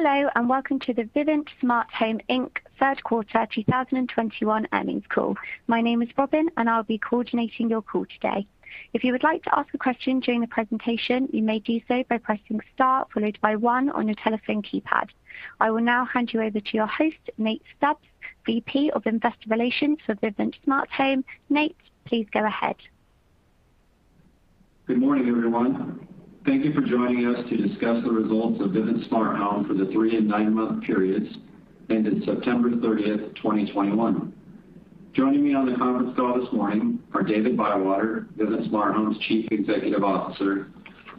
Hello, and welcome to the Vivint Smart Home, Inc. third quarter 2021 earnings call. My name is Robin, and I'll be coordinating your call today. If you would like to ask a question during the presentation, you may do so by pressing star followed by one on your telephone keypad. I will now hand you over to your host, Nate Stubbs, VP of Investor Relations for Vivint Smart Home. Nate, please go ahead. Good morning, everyone. Thank you for joining us to discuss the results of Vivint Smart Home for the three and nine-month periods ending September 30th, 2021. Joining me on the conference call this morning are David Bywater, Vivint Smart Home's Chief Executive Officer,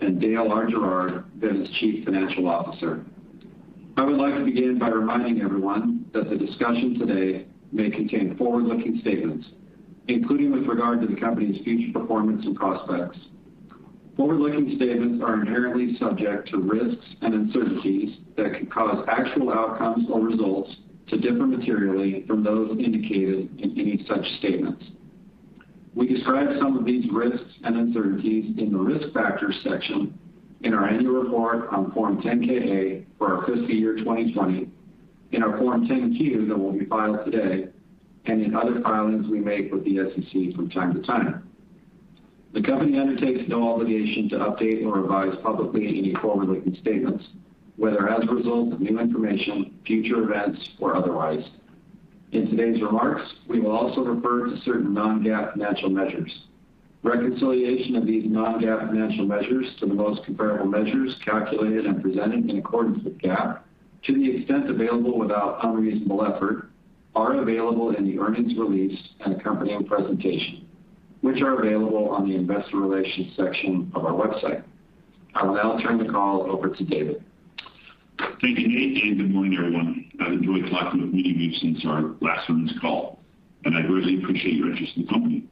and Dale R. Gerard, Vivint's Chief Financial Officer. I would like to begin by reminding everyone that the discussion today may contain forward-looking statements, including with regard to the company's future performance and prospects. Forward-looking statements are inherently subject to risks and uncertainties that could cause actual outcomes or results to differ materially from those indicated in any such statements. We describe some of these risks and uncertainties in the Risk Factors section in our annual report on Form 10-K for our fiscal year 2020, in our Form 10-Q that will be filed today, and in other filings we make with the SEC from time to time. The company undertakes no obligation to update or revise publicly any forward-looking statements, whether as a result of new information, future events, or otherwise. In today's remarks, we will also refer to certain non-GAAP financial measures. Reconciliation of these non-GAAP financial measures to the most comparable measures calculated and presented in accordance with GAAP, to the extent available without unreasonable effort, are available in the earnings release and accompanying presentation, which are available on the Investor Relations section of our website. I will now turn the call over to David. Thank you, Nate, and good morning, everyone. I've enjoyed talking with many of you since our last earnings call, and I greatly appreciate your interest in the company.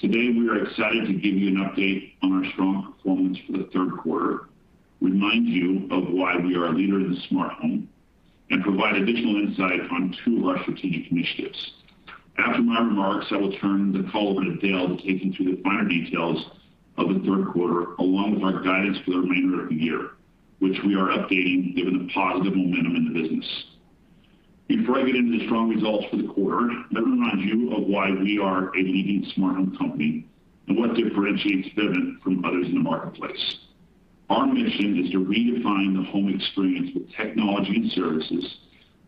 Today, we are excited to give you an update on our strong performance for the third quarter, remind you of why we are a leader in the smart home, and provide additional insight on two of our strategic initiatives. After my remarks, I will turn the call over to Dale to take you through the finer details of the third quarter, along with our guidance for the remainder of the year, which we are updating given the positive momentum in the business. Before I get into the strong results for the quarter, let me remind you of why we are a leading smart home company and what differentiates Vivint from others in the marketplace. Our mission is to redefine the home experience with technology and services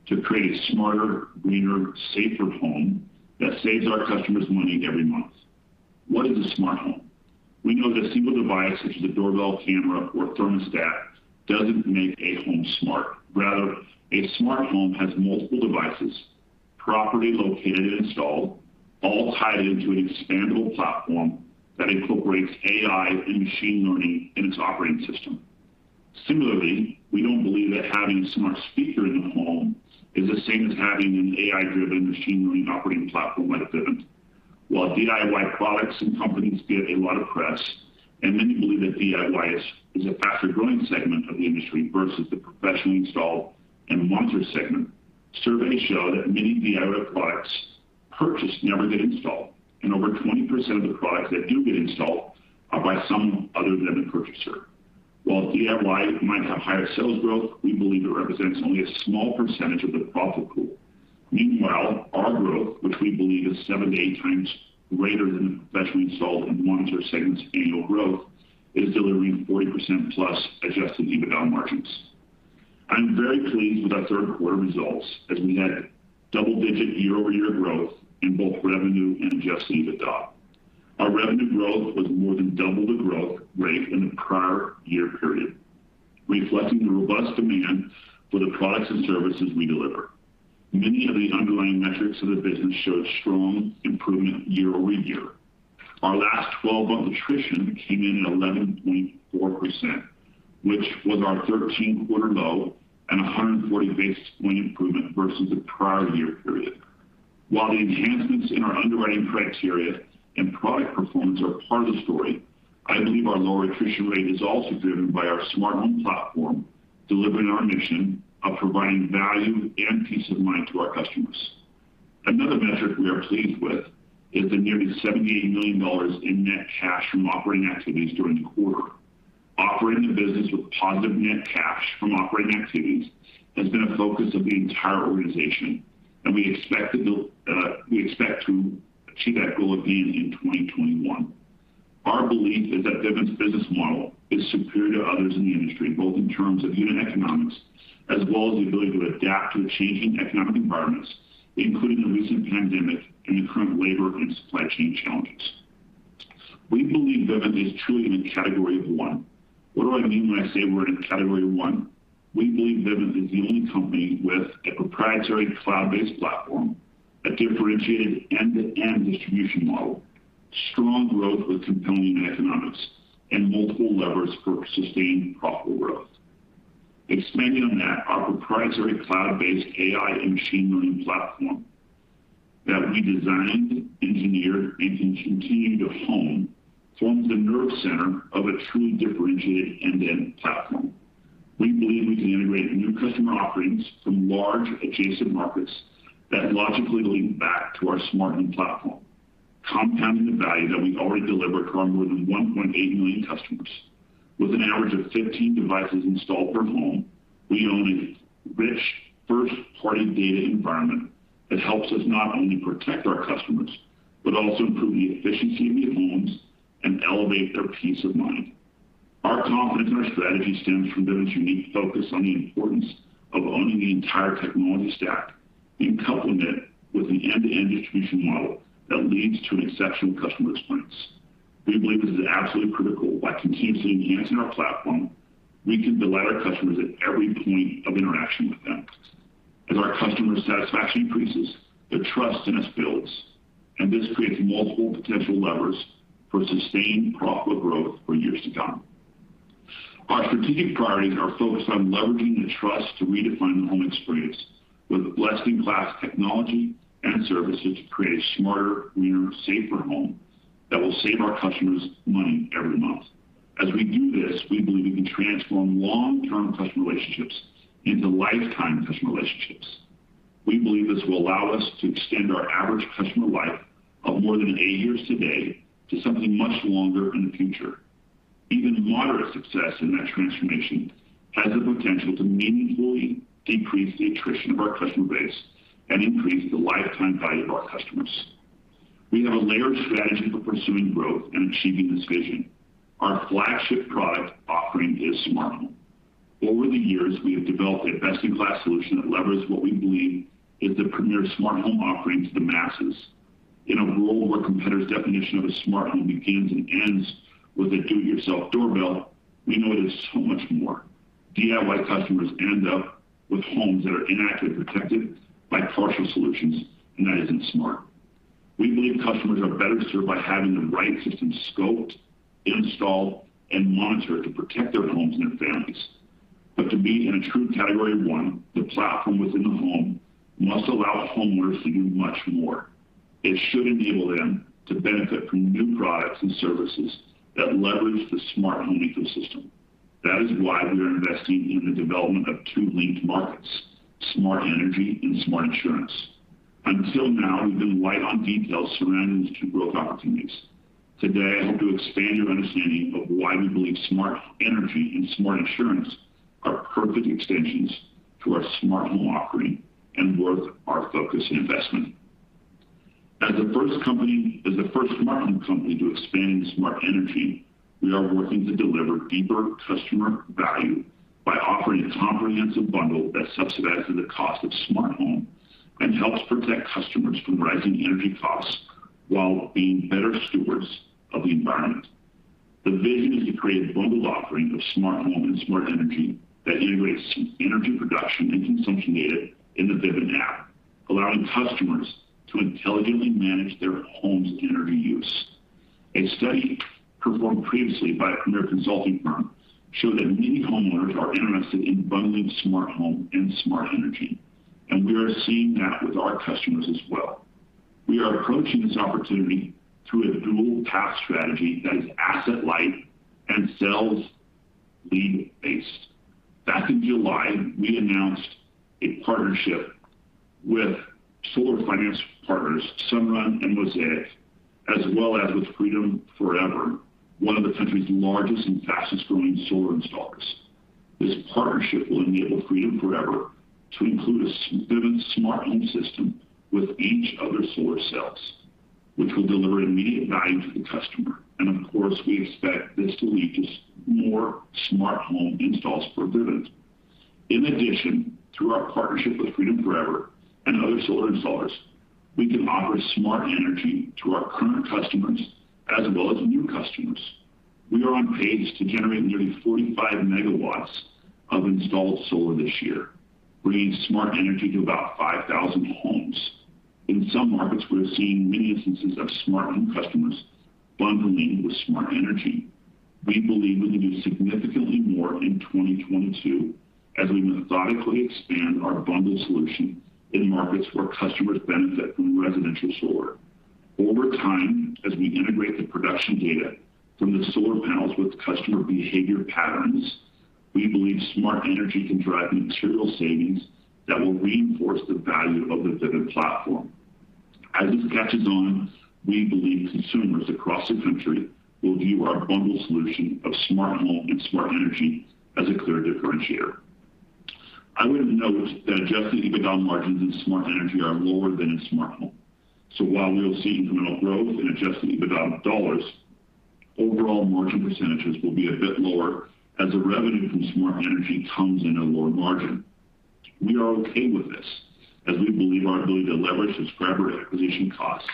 to create a smarter, greener, safer home that saves our customers money every month. What is a smart home? We know that a single device such as a doorbell camera or thermostat doesn't make a home smart. Rather, a smart home has multiple devices properly located and installed, all tied into an expandable platform that incorporates AI and machine learning in its operating system. Similarly, we don't believe that having a smart speaker in the home is the same as having an AI-driven machine learning operating platform like Vivint. While DIY products and companies get a lot of press, and many believe that DIY is a faster-growing segment of the industry versus the professionally installed and monitored segment, surveys show that many DIY products purchased never get installed, and over 20% of the products that do get installed are by some other than the purchaser. While DIY might have higher sales growth, we believe it represents only a small percentage of the profitable. Meanwhile, our growth, which we believe is 7x-8x greater than the professionally installed and monitored segment's annual growth, is delivering 40%+ adjusted EBITDA margins. I'm very pleased with our third quarter results as we had double-digit year-over-year growth in both revenue and adjusted EBITDA. Our revenue growth was more than double the growth rate in the prior year period, reflecting the robust demand for the products and services we deliver. Many of the underlying metrics of the business showed strong improvement year-over-year. Our last 12-month attrition came in at 11.4%, which was our 13th quarter low and a 140 basis point improvement versus the prior year period. While the enhancements in our underwriting criteria and product performance are part of the story, I believe our lower attrition rate is also driven by our smart home platform delivering our mission of providing value and peace of mind to our customers. Another metric we are pleased with is the nearly $78 million in net cash from operating activities during the quarter. Operating the business with positive net cash from operating activities has been a focus of the entire organization, and we expect to achieve that goal again in 2021. Our belief is that Vivint's business model is superior to others in the industry, both in terms of unit economics as well as the ability to adapt to changing economic environments, including the recent pandemic and the current labor and supply chain challenges. We believe Vivint is truly in category of one. What do I mean when I say we're in category one? We believe Vivint is the only company with a proprietary cloud-based platform, a differentiated end-to-end distribution model, strong growth with compelling economics, and multiple levers for sustained profitable growth. Expanding on that, our proprietary cloud-based AI and machine learning platform that we designed, engineered, and can continue to hone forms the nerve center of a truly differentiated end-to-end platform. We believe we can integrate new customer offerings from large adjacent markets that logically link back to our smart home platform, compounding the value that we already deliver to our more than 1.8 million customers. With an average of 15 devices installed per home, we own a rich first-party data environment that helps us not only protect our customers, but also improve the efficiency of their homes and elevate their peace of mind. Our confidence in our strategy stems from Vivint's unique focus on the importance of owning the entire technology stack in complement with an end-to-end distribution model that leads to an exceptional customer experience. We believe this is absolutely critical. By continuously enhancing our platform, we can delight our customers at every point of interaction with them. As our customer satisfaction increases, their trust in us builds, and this creates multiple potential levers for sustained profitable growth for years to come. Our strategic priorities are focused on leveraging the trust to redefine the home experience with best-in-class technology and services to create a smarter, greener, safer home that will save our customers money every month. As we do this, we believe we can transform long-term customer relationships into lifetime customer relationships. We believe this will allow us to extend our average customer life of more than eight years today to something much longer in the future. Even moderate success in that transformation has the potential to meaningfully decrease the attrition of our customer base and increase the lifetime value of our customers. We have a layered strategy for pursuing growth and achieving this vision. Our flagship product offering is Smart Home. Over the years, we have developed a best-in-class solution that leverages what we believe is the premier smart home offering to the masses. In a world where competitors' definition of a smart home begins and ends with a do-it-yourself doorbell, we know it is so much more. DIY customers end up with homes that are inaccurately protected by partial solutions, and that isn't smart. We believe customers are better served by having the right system scoped, installed, and monitored to protect their homes and their families. To be in a true category one, the platform within the home must allow homeowners to do much more. It should enable them to benefit from new products and services that leverage the smart home ecosystem. That is why we are investing in the development of two linked markets, smart energy and smart insurance. Until now, we've been light on details surrounding these two growth opportunities. Today, I hope to expand your understanding of why we believe smart energy and smart insurance are perfect extensions to our smart home offering and worth our focus and investment. As the first smart home company to expand into smart energy, we are working to deliver deeper customer value by offering a comprehensive bundle that subsidizes the cost of smart home and helps protect customers from rising energy costs while being better stewards of the environment. The vision is to create a bundled offering of smart home and smart energy that integrates energy production and consumption data in the Vivint app, allowing customers to intelligently manage their home's energy use. A study performed previously by a premier consulting firm showed that many homeowners are interested in bundling smart home and smart energy, and we are seeing that with our customers as well. We are approaching this opportunity through a dual-path strategy that is asset-light and sales lead-based. Back in July, we announced a partnership with solar finance partners Sunrun and Mosaic, as well as with Freedom Forever, one of the country's largest and fastest-growing solar installers. This partnership will enable Freedom Forever to include a Vivint Smart Home system with each of their solar sales, which will deliver immediate value to the customer. Of course, we expect this to lead to more smart home installs for Vivint. In addition, through our partnership with Freedom Forever and other solar installers, we can offer smart energy to our current customers as well as new customers. We are on pace to generate nearly 45 MW of installed solar this year, bringing smart energy to about 5,000 homes. In some markets, we are seeing many instances of smart home customers bundling with smart energy. We believe we can do significantly more in 2022 as we methodically expand our bundle solution in markets where customers benefit from residential solar. Over time, as we integrate the production data from the solar panels with customer behavior patterns, we believe smart energy can drive material savings that will reinforce the value of the Vivint platform. As this catches on, we believe consumers across the country will view our bundle solution of smart home and smart energy as a clear differentiator. I would note that adjusted EBITDA margins in smart energy are lower than in smart home. While we will see incremental growth in adjusted EBITDA dollars, overall margin percentages will be a bit lower as the revenue from smart energy comes in a lower margin. We are okay with this, as we believe our ability to leverage subscriber acquisition costs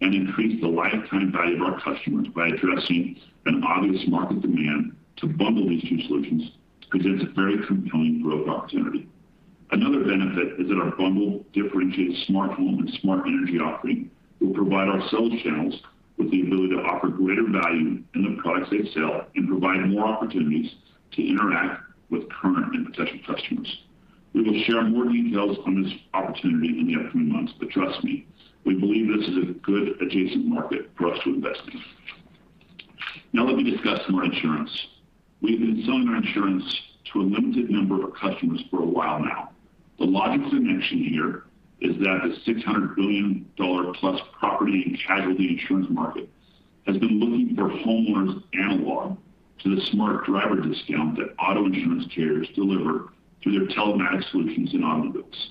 and increase the lifetime value of our customers by addressing an obvious market demand to bundle these two solutions presents a very compelling growth opportunity. Another benefit is that our bundled, differentiated smart home and smart energy offering will provide our sales channels with the ability to offer greater value in the products they sell and provide more opportunities to interact with current and potential customers. We will share more details on this opportunity in the upcoming months, but trust me, we believe this is a good adjacent market for us to invest in. Now let me discuss smart insurance. We've been selling our insurance to a limited number of customers for a while now. The logic dimension here is that the $600+ billion property and casualty insurance market has been looking for homeowners analog to the smart driver discount that auto insurance carriers deliver through their telematics solutions and automobiles.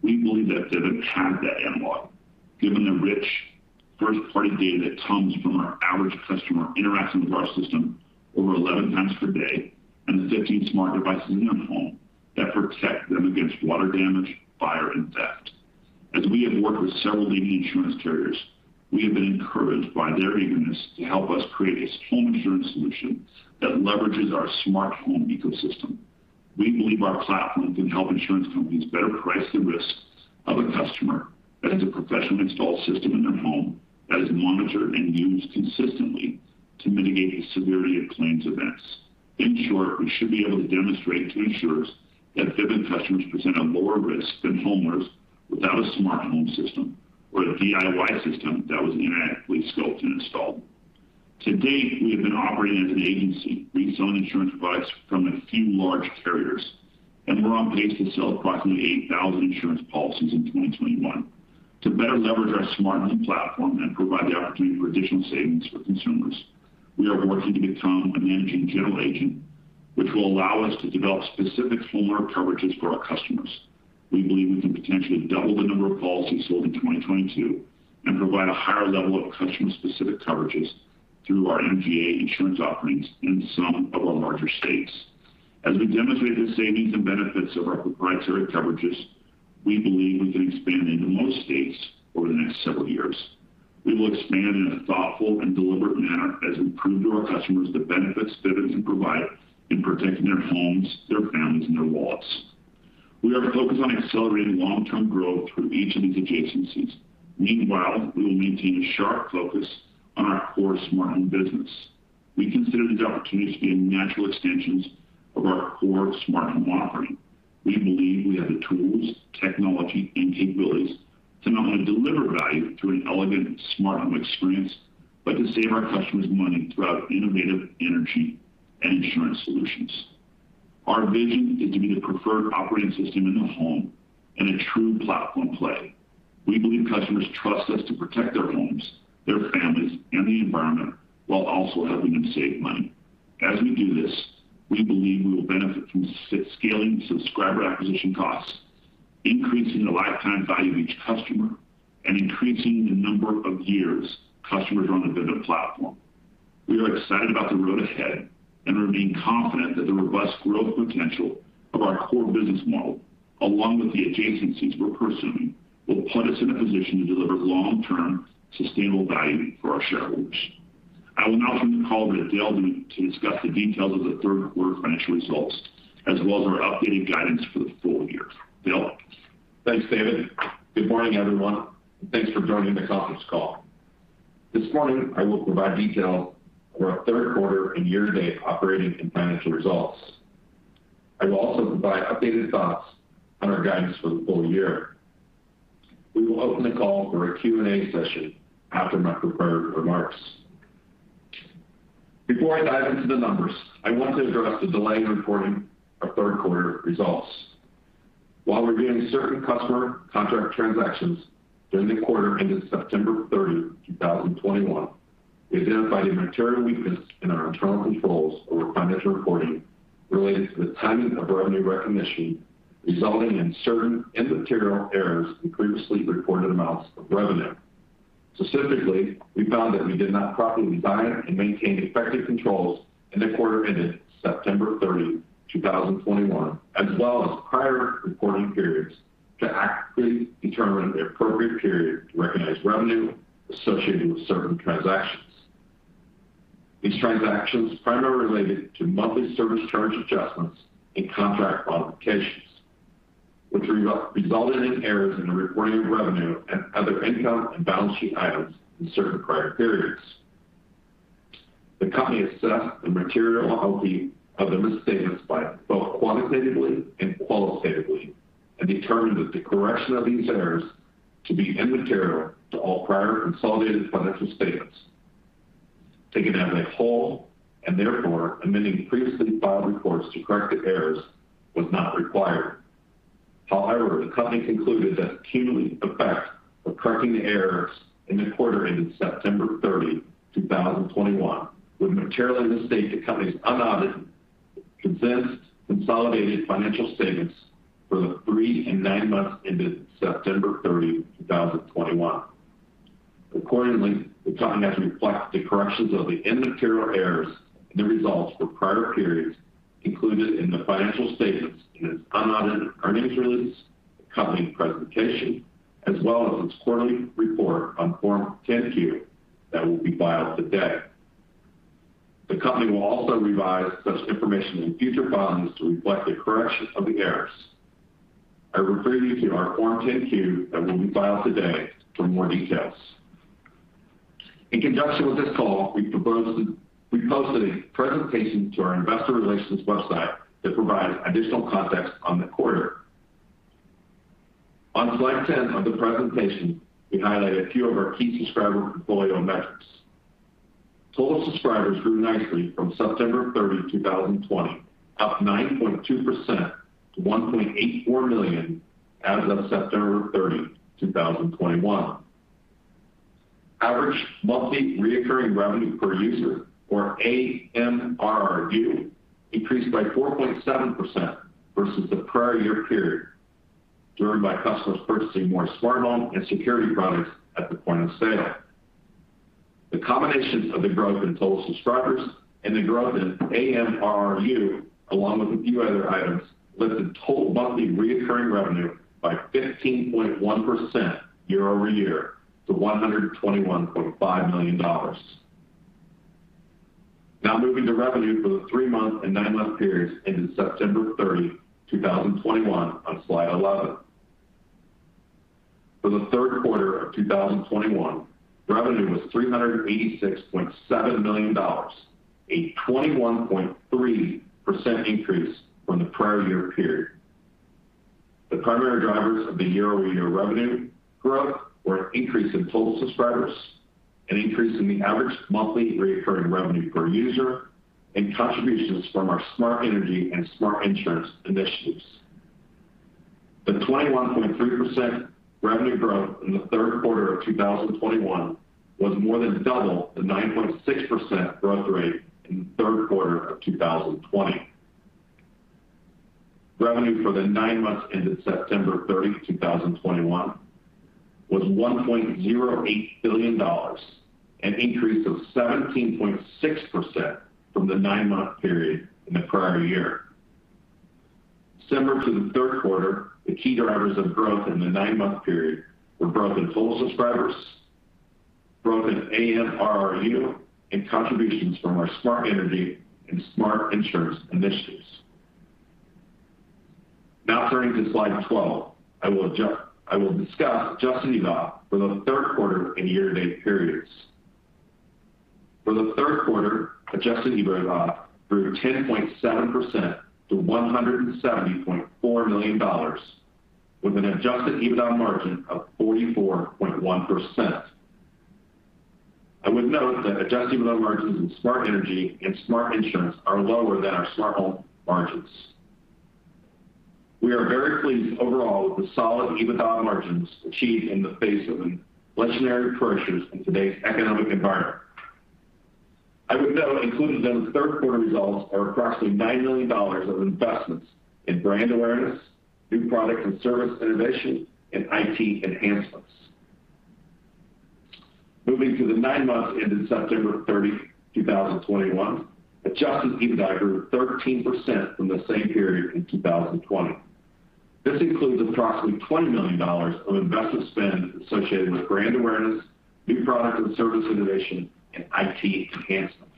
We believe that Vivint has that analog, given the rich first-party data that comes from our average customer interacting with our system over 11 times per day and the 15 smart devices in their home that protect them against water damage, fire, and theft. As we have worked with several leading insurance carriers, we have been encouraged by their eagerness to help us create a home insurance solution that leverages our smart home ecosystem. We believe our platform can help insurance companies better price the risk of a customer that has a professional installed system in their home that is monitored and used consistently to mitigate the severity of claims events. In short, we should be able to demonstrate to insurers that Vivint customers present a lower risk than homeowners without a smart home system or a DIY system that was inadequately scoped and installed. To date, we have been operating as an agency, reselling insurance products from a few large carriers, and we're on pace to sell approximately 8,000 insurance policies in 2021. To better leverage our smart home platform and provide the opportunity for additional savings for consumers, we are working to become a managing general agent, which will allow us to develop specific homeowner coverages for our customers. We believe we can potentially double the number of policies sold in 2022 and provide a higher level of customer-specific coverages through our MGA insurance offerings in some of our larger states. As we demonstrate the savings and benefits of our proprietary coverages, we believe we can expand into most states over the next several years. We will expand in a thoughtful and deliberate manner as we prove to our customers the benefits Vivint can provide in protecting their homes, their families, and their wallets. We are focused on accelerating long-term growth through each of these adjacencies. Meanwhile, we will maintain a sharp focus on our core smart home business. We consider these opportunities to be natural extensions of our core smart home offering. We believe we have the tools, technology, and capabilities to not only deliver value through an elegant smart home experience, but to save our customers money through our innovative energy and insurance solutions. Our vision is to be the preferred operating system in the home and a true platform play. We believe customers trust us to protect their homes, their families, and the environment while also helping them save money. As we do this, we believe we will benefit from scaling subscriber acquisition costs, increasing the lifetime value of each customer, and increasing the number of years customers are on the Vivint platform. We are excited about the road ahead and remain confident that the robust growth potential of our core business model, along with the adjacencies we're pursuing, will put us in a position to deliver long-term, sustainable value for our shareholders. I will now turn the call over to Dale Gerard to discuss the details of the third quarter financial results, as well as our updated guidance for the full year. Dale. Thanks, David. Good morning, everyone, and thanks for joining this conference call. This morning I will provide details for our third quarter and year-to-date operating and financial results. I will also provide updated thoughts on our guidance for the full year. We will open the call for a Q&A session after my prepared remarks. Before I dive into the numbers, I want to address the delay in reporting our third quarter results. While reviewing certain customer contract transactions during the quarter ended September 30th, 2021, we identified a material weakness in our internal controls over financial reporting related to the timing of revenue recognition, resulting in certain immaterial errors in previously reported amounts of revenue. Specifically, we found that we did not properly design and maintain effective controls in the quarter ended September 30th, 2021, as well as prior reporting periods, to accurately determine the appropriate period to recognize revenue associated with certain transactions. These transactions primarily related to monthly service charge adjustments and contract modifications, which resulted in errors in the reporting of revenue and other income and balance sheet items in certain prior periods. The company assessed the materiality of the misstatements both quantitatively and qualitatively and determined that the correction of these errors to be immaterial to all prior consolidated financial statements taken as a whole, and therefore amending previously filed reports to correct the errors was not required. However, the company concluded that the cumulative effect of correcting the errors in the quarter ended September 30th, 2021 would materially misstate the company's unaudited condensed consolidated financial statements for the three and nine months ended September 30th, 2021. Accordingly, the company has reflected the corrections of the immaterial errors in the results for prior periods included in the financial statements in its unaudited earnings release, the company presentation, as well as its quarterly report on Form 10-Q that will be filed today. The company will also revise such information in future filings to reflect the correction of the errors. I refer you to our Form 10-Q that will be filed today for more details. In conjunction with this call, we posted a presentation to our investor relations website that provides additional context on the quarter. On slide 10 of the presentation, we highlight a few of our key subscriber portfolio metrics. Total subscribers grew nicely from September 30th, 2020, up 9.2% to 1.84 million as of September 30th, 2021. Average monthly recurring revenue per user or AMRRU increased by 4.7% versus the prior year period, driven by customers purchasing more smart home and security products at the point of sale. The combinations of the growth in total subscribers and the growth in AMRRU, along with a few other items, lifted total monthly recurring revenue by 15.1% year-over-year to $121.5 million. Now moving to revenue for the three-month and nine-month periods ended September 30th, 2021 on slide 11. For the third quarter of 2021, revenue was $386.7 million, a 21.3% increase from the prior year period. The primary drivers of the year-over-year revenue growth were an increase in total subscribers, an increase in the average monthly recurring revenue per user, and contributions from our smart energy and smart insurance initiatives. The 21.3% revenue growth in the third quarter of 2021 was more than double the 9.6% growth rate in the third quarter of 2020. Revenue for the nine months ended September 30th, 2021 was $1.08 billion, an increase of 17.6% from the nine-month period in the prior year. Similar to the third quarter, the key drivers of growth in the nine-month period were growth in total subscribers, growth in AMRRU, and contributions from our smart energy and smart insurance initiatives. Now turning to slide 12, I will discuss adjusted EBITDA for the third quarter and year-to-date periods. For the third quarter, adjusted EBITDA grew 10.7% to $170.4 million with an adjusted EBITDA margin of 44.1%. I would note that adjusted EBITDA margins in smart energy and smart insurance are lower than our smart home margins. We are very pleased overall with the solid EBITDA margins achieved in the face of the inflationary pressures in today's economic environment. I would note, included in those third quarter results are approximately $9 million of investments in brand awareness, new product and service innovation, and IT enhancements. Moving to the nine months ended September 30th, 2021, adjusted EBITDA grew 13% from the same period in 2020. This includes approximately $20 million of investment spend associated with brand awareness, new product and service innovation, and IT enhancements.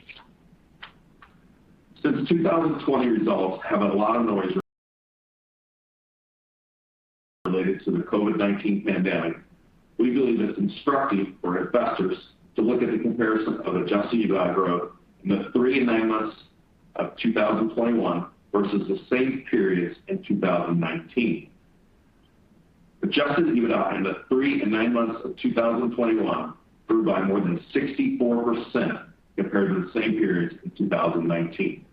Since the 2020 results have a lot of noise related to the COVID-19 pandemic, we believe it's instructive for investors to look at the comparison of adjusted EBITDA growth in the three and nine months of 2021 versus the same periods in 2019. Adjusted EBITDA in the three and nine months of 2021 grew by more than 64% compared to the same periods in 2019.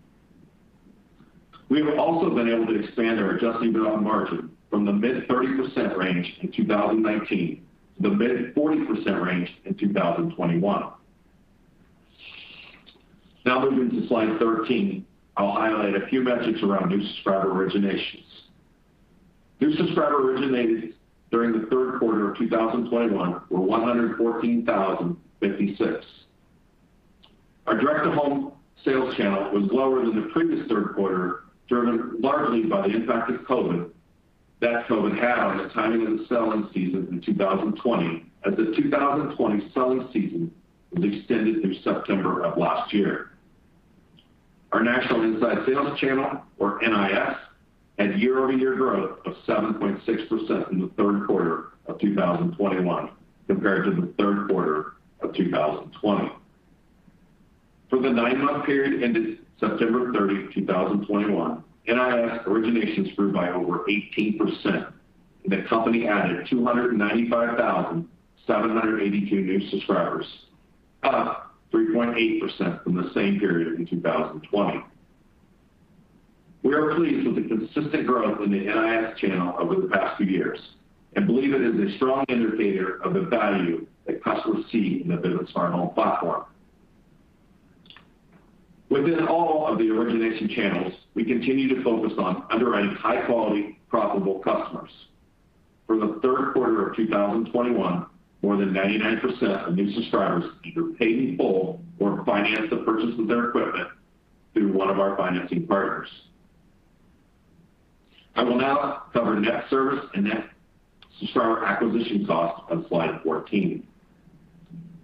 We have also been able to expand our adjusted EBITDA margin from the mid-30% range in 2019 to the mid-40% range in 2021. Now moving to slide 13, I'll highlight a few metrics around new subscriber originations. New subscriber originations during the third quarter of 2021 were 114,056. Our direct to home sales channel was lower than the previous third quarter, driven largely by the impact that COVID had on the timing of the selling season in 2020, as the 2020 selling season was extended through September of last year. Our National Inside Sales channel or NIS had year-over-year growth of 7.6% in the third quarter of 2021 compared to the third quarter of 2020. For the nine-month period ended September 30th, 2021, NIS originations grew by over 18%, and the company added 295,782 new subscribers, up 3.8% from the same period in 2020. We are pleased with the consistent growth in the NIS channel over the past few years and believe it is a strong indicator of the value that customers see in the Vivint Smart Home platform. Within all of the origination channels, we continue to focus on underwriting high quality, profitable customers. For the third quarter of 2021, more than 99% of new subscribers either paid in full or financed the purchase of their equipment through one of our financing partners. I will now cover net service and net subscriber acquisition costs on slide 14.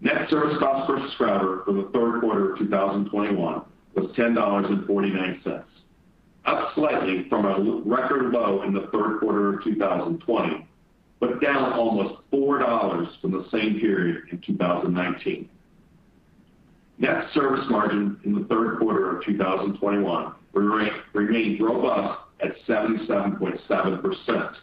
Net service cost per subscriber for the third quarter of 2021 was $10.49, up slightly from a record low in the third quarter of 2020, but down almost $4 from the same period in 2019. Net service margin in the third quarter of 2021 remained robust at 77.7%.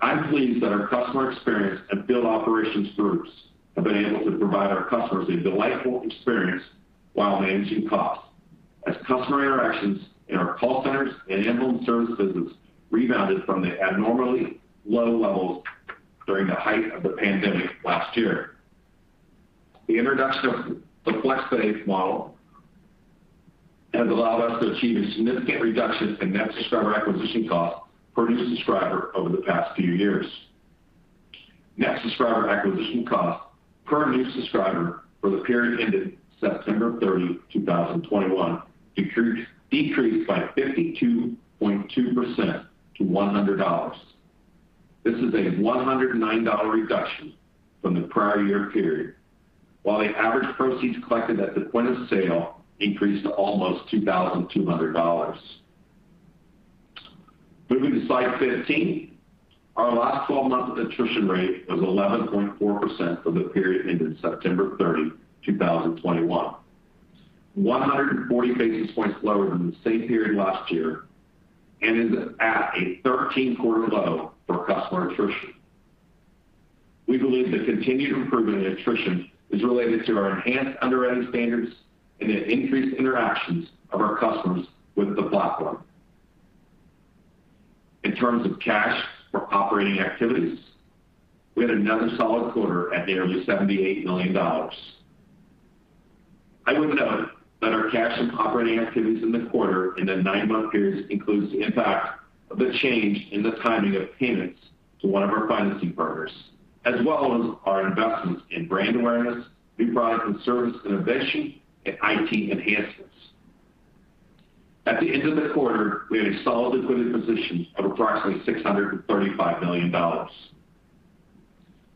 I'm pleased that our customer experience and field operations groups have been able to provide our customers a delightful experience while managing costs. As customer interactions in our call centers and in-home services rebounded from the abnormally low levels during the height of the pandemic last year. The introduction of the flex-based model has allowed us to achieve a significant reduction in net subscriber acquisition cost per new subscriber over the past few years. Net subscriber acquisition cost per new subscriber for the period ending September 30th, 2021 decreased by 52.2% to $100. This is a $109 reduction from the prior year period, while the average proceeds collected at the point of sale increased to almost $2,200. Moving to slide 15. Our last 12-month attrition rate was 11.4% for the period ending September 30th, 2021. 140 basis points lower than the same period last year and is at a 13-quarter low for customer attrition. We believe the continued improvement in attrition is related to our enhanced underwriting standards and increased interactions of our customers with the platform. In terms of cash from operating activities, we had another solid quarter at nearly $78 million. I would note that our cash from operating activities in the quarter in the 9-month period includes the impact of the change in the timing of payments to one of our financing partners, as well as our investments in brand awareness, new product and service innovation, and IT enhancements. At the end of the quarter, we had a solid liquidity position of approximately $635 million.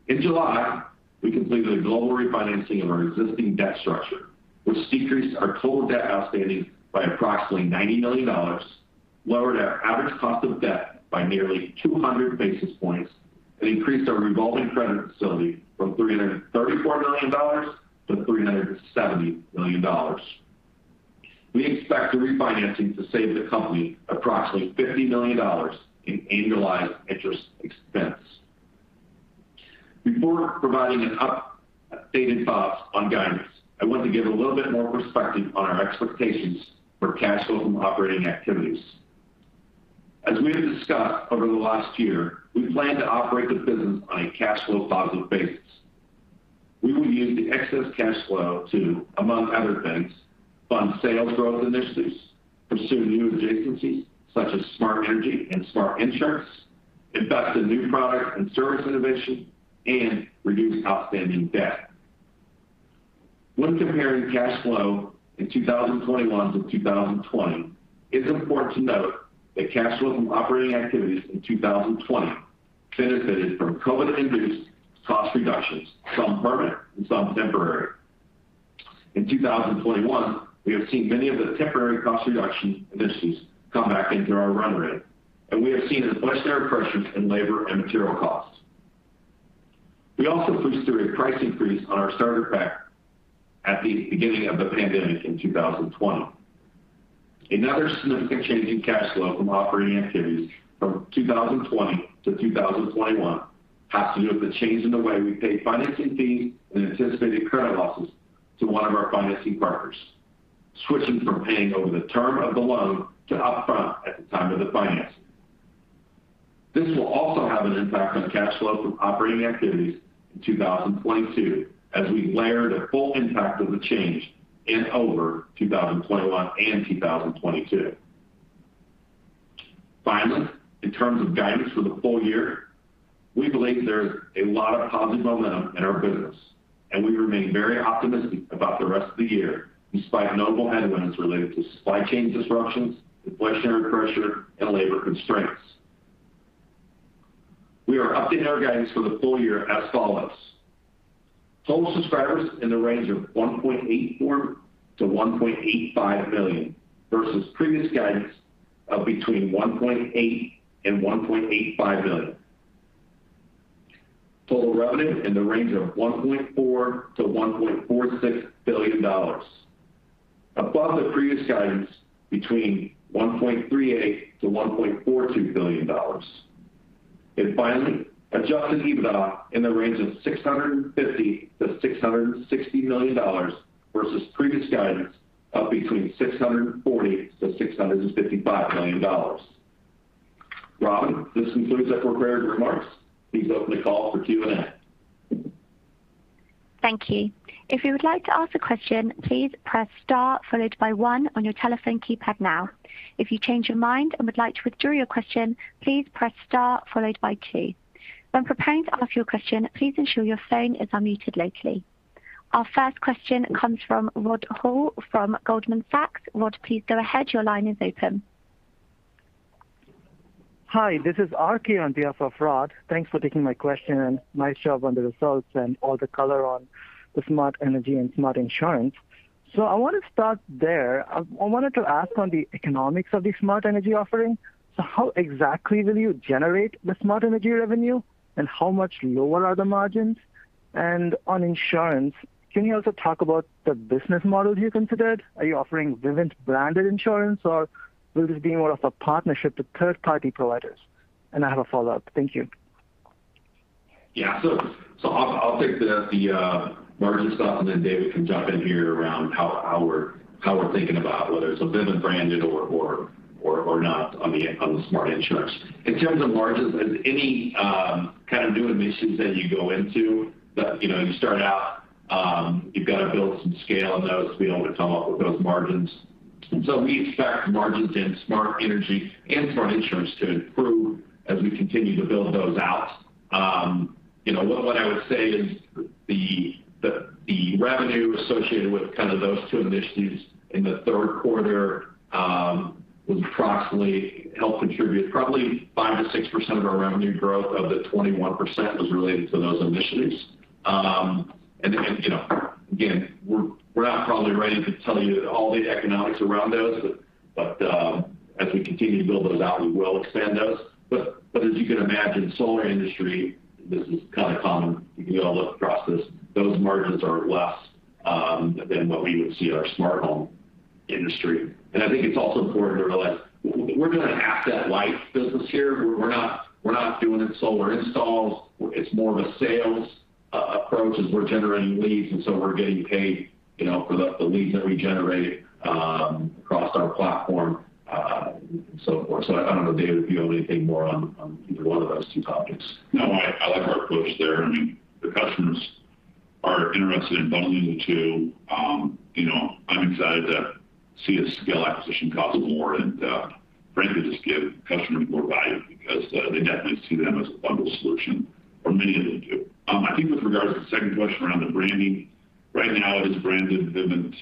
In July, we completed a global refinancing of our existing debt structure, which decreased our total debt outstanding by approximately $90 million, lowered our average cost of debt by nearly 200 basis points, and increased our revolving credit facility from $334 million to $370 million. We expect the refinancing to save the company approximately $50 million in annualized interest expense. Before providing an updated thoughts on guidance, I want to give a little bit more perspective on our expectations for cash flow from operating activities. As we have discussed over the last year, we plan to operate the business on a cash flow positive basis. We will use the excess cash flow to, among other things, fund sales growth initiatives, pursue new adjacencies such as smart energy and smart insurance, invest in new product and service innovation, and reduce outstanding debt. When comparing cash flow in 2021 to 2020, it's important to note that cash flow from operating activities in 2020 benefited from COVID-19-induced cost reductions, some permanent and some temporary. In 2021, we have seen many of the temporary cost reduction initiatives come back into our run rate, and we have seen inflationary pressures in labor and material costs. We also pushed through a price increase on our starter pack at the beginning of the pandemic in 2020. Another significant change in cash flow from operating activities from 2020 to 2021 has to do with the change in the way we pay financing fees and anticipated credit losses to one of our financing partners, switching from paying over the term of the loan to upfront at the time of the financing. This will also have an impact on cash flow from operating activities in 2022, as we layer the full impact of the change in over 2021 and 2022. Finally, in terms of guidance for the full year, we believe there's a lot of positive momentum in our business. We remain very optimistic about the rest of the year, despite notable headwinds related to supply chain disruptions, inflationary pressure, and labor constraints. We are updating our guidance for the full year as follows. Total subscribers in the range of 1.84 million-1.85 million versus previous guidance of between 1.8 million and 1.85 million. Total revenue in the range of $1.4 billion-$1.46 billion, above the previous guidance between $1.38-$1.42 billion. Finally, Adjusted EBITDA in the range of $650 million-$660 million versus previous guidance of between $640 million-$655 million. Robin, this concludes our prepared remarks. Please open the call for Q&A. Thank you. If you would like to ask a question, please press star followed by one on your telephone keypad now. If you change your mind and would like to withdraw your question, please press star followed by two. When preparing to ask your question, please ensure your phone is unmuted locally. Our first question comes from Rod Hall from Goldman Sachs. Rod, please go ahead. Your line is open. Hi, this is RK on behalf of Rod. Thanks for taking my question, and nice job on the results and all the color on the smart energy and smart insurance. I want to start there. I wanted to ask on the economics of the smart energy offering. How exactly will you generate the smart energy revenue, and how much lower are the margins? On insurance, can you also talk about the business model you considered? Are you offering Vivint-branded insurance, or will this be more of a partnership with third-party providers? I have a follow-up. Thank you. Yeah. I'll take the margin stuff, and then David can jump in here around how we're thinking about whether it's a Vivint branded or not on the smart insurance. In terms of margins, as with any kind of new initiatives that you go into, you know, you start out, you've got to build some scale in those to be able to come up with those margins. We expect margins in smart energy and smart insurance to improve as we continue to build those out. You know, what I would say is the revenue associated with kind of those two initiatives in the third quarter would approximately help contribute probably 5%-6% of our revenue growth of the 21% was related to those initiatives. You know, again, we're not probably ready to tell you all the economics around those. As we continue to build those out, we will expand those. As you can imagine, solar industry, this is kind of common. You can go look across this. Those margins are less than what we would see in our smart home industry. I think it's also important to realize we're doing an asset light business here. We're not doing the solar installs. It's more of a sales approach as we're generating leads and so we're getting paid, you know, for the leads that we generate across our platform and so forth. I don't know, David, if you have anything more on either one of those two topics. No, I like our approach there. I mean, the customers are interested in bundling the two. You know, I'm excited to see us scale acquisition cost more and frankly just give customers more value because they definitely see them as a bundled solution or many of them do. I think with regards to the second question around the branding, right now it is branded Vivint,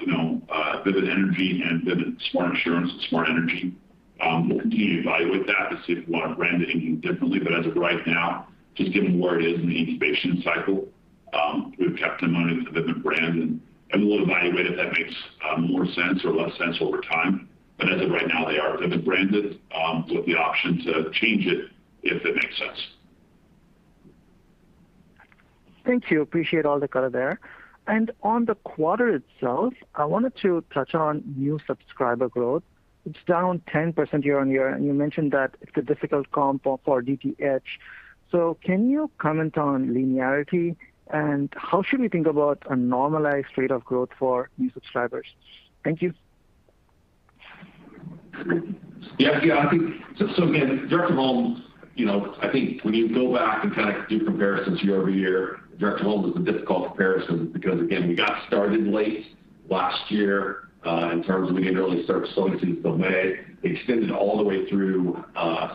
you know, Vivint Energy and Vivint Smart Insurance, Smart Energy. We'll continue to evaluate that to see if we want to brand it any differently. As of right now, just given where it is in the incubation cycle, we've kept them under the Vivint brand, and we'll evaluate if that makes more sense or less sense over time. As of right now, they are Vivint branded, with the option to change it if it makes sense. Thank you. Appreciate all the color there. On the quarter itself, I wanted to touch on new subscriber growth. It's down 10% year-over-year, and you mentioned that it's a difficult comp for DTH. Can you comment on linearity, and how should we think about a normalized rate of growth for new subscribers? Thank you. Yeah, I think so again, direct to home, you know, I think when you go back and kind of do comparisons year-over-year, direct to home is a difficult comparison because again we got started late last year in terms of we didn't really start soliciting till May. Extended all the way through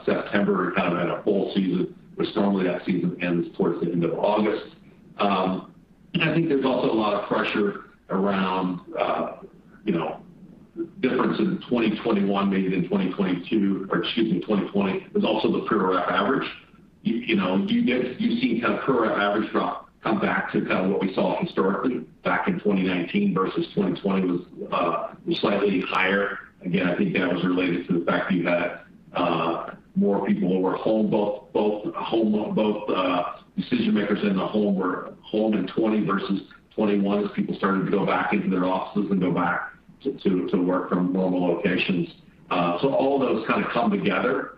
September and kind of had a full season where normally that season ends towards the end of August. I think there's also a lot of pressure around, you know, difference in 2021 maybe than 2022 or excuse me, 2020. There's also the prior average. You know, you've seen kind of prior average drop come back to kind of what we saw historically back in 2019 versus 2020 was slightly higher. I think that was related to the fact that you had more people who were home, both decision-makers in the home were home in 2020 versus 2021 as people started to go back into their offices and go back to work from normal locations. All those kind of come together.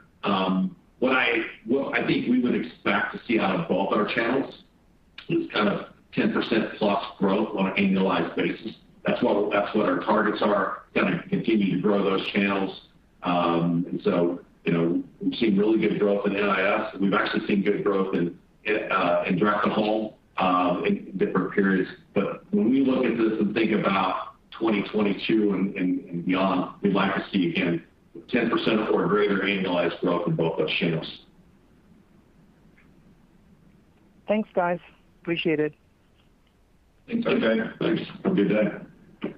What I think we would expect to see out of both our channels is kind of 10%+ growth on an annualized basis. That's what our targets are, gonna continue to grow those channels. You know, we've seen really good growth in NIS. We've actually seen good growth in direct to home in different periods. When we look at this and think about 2022 and beyond, we'd like to see again 10% or greater annualized growth in both those channels. Thanks, guys. Appreciate it. Thanks. Okay. Thanks. Have a good day.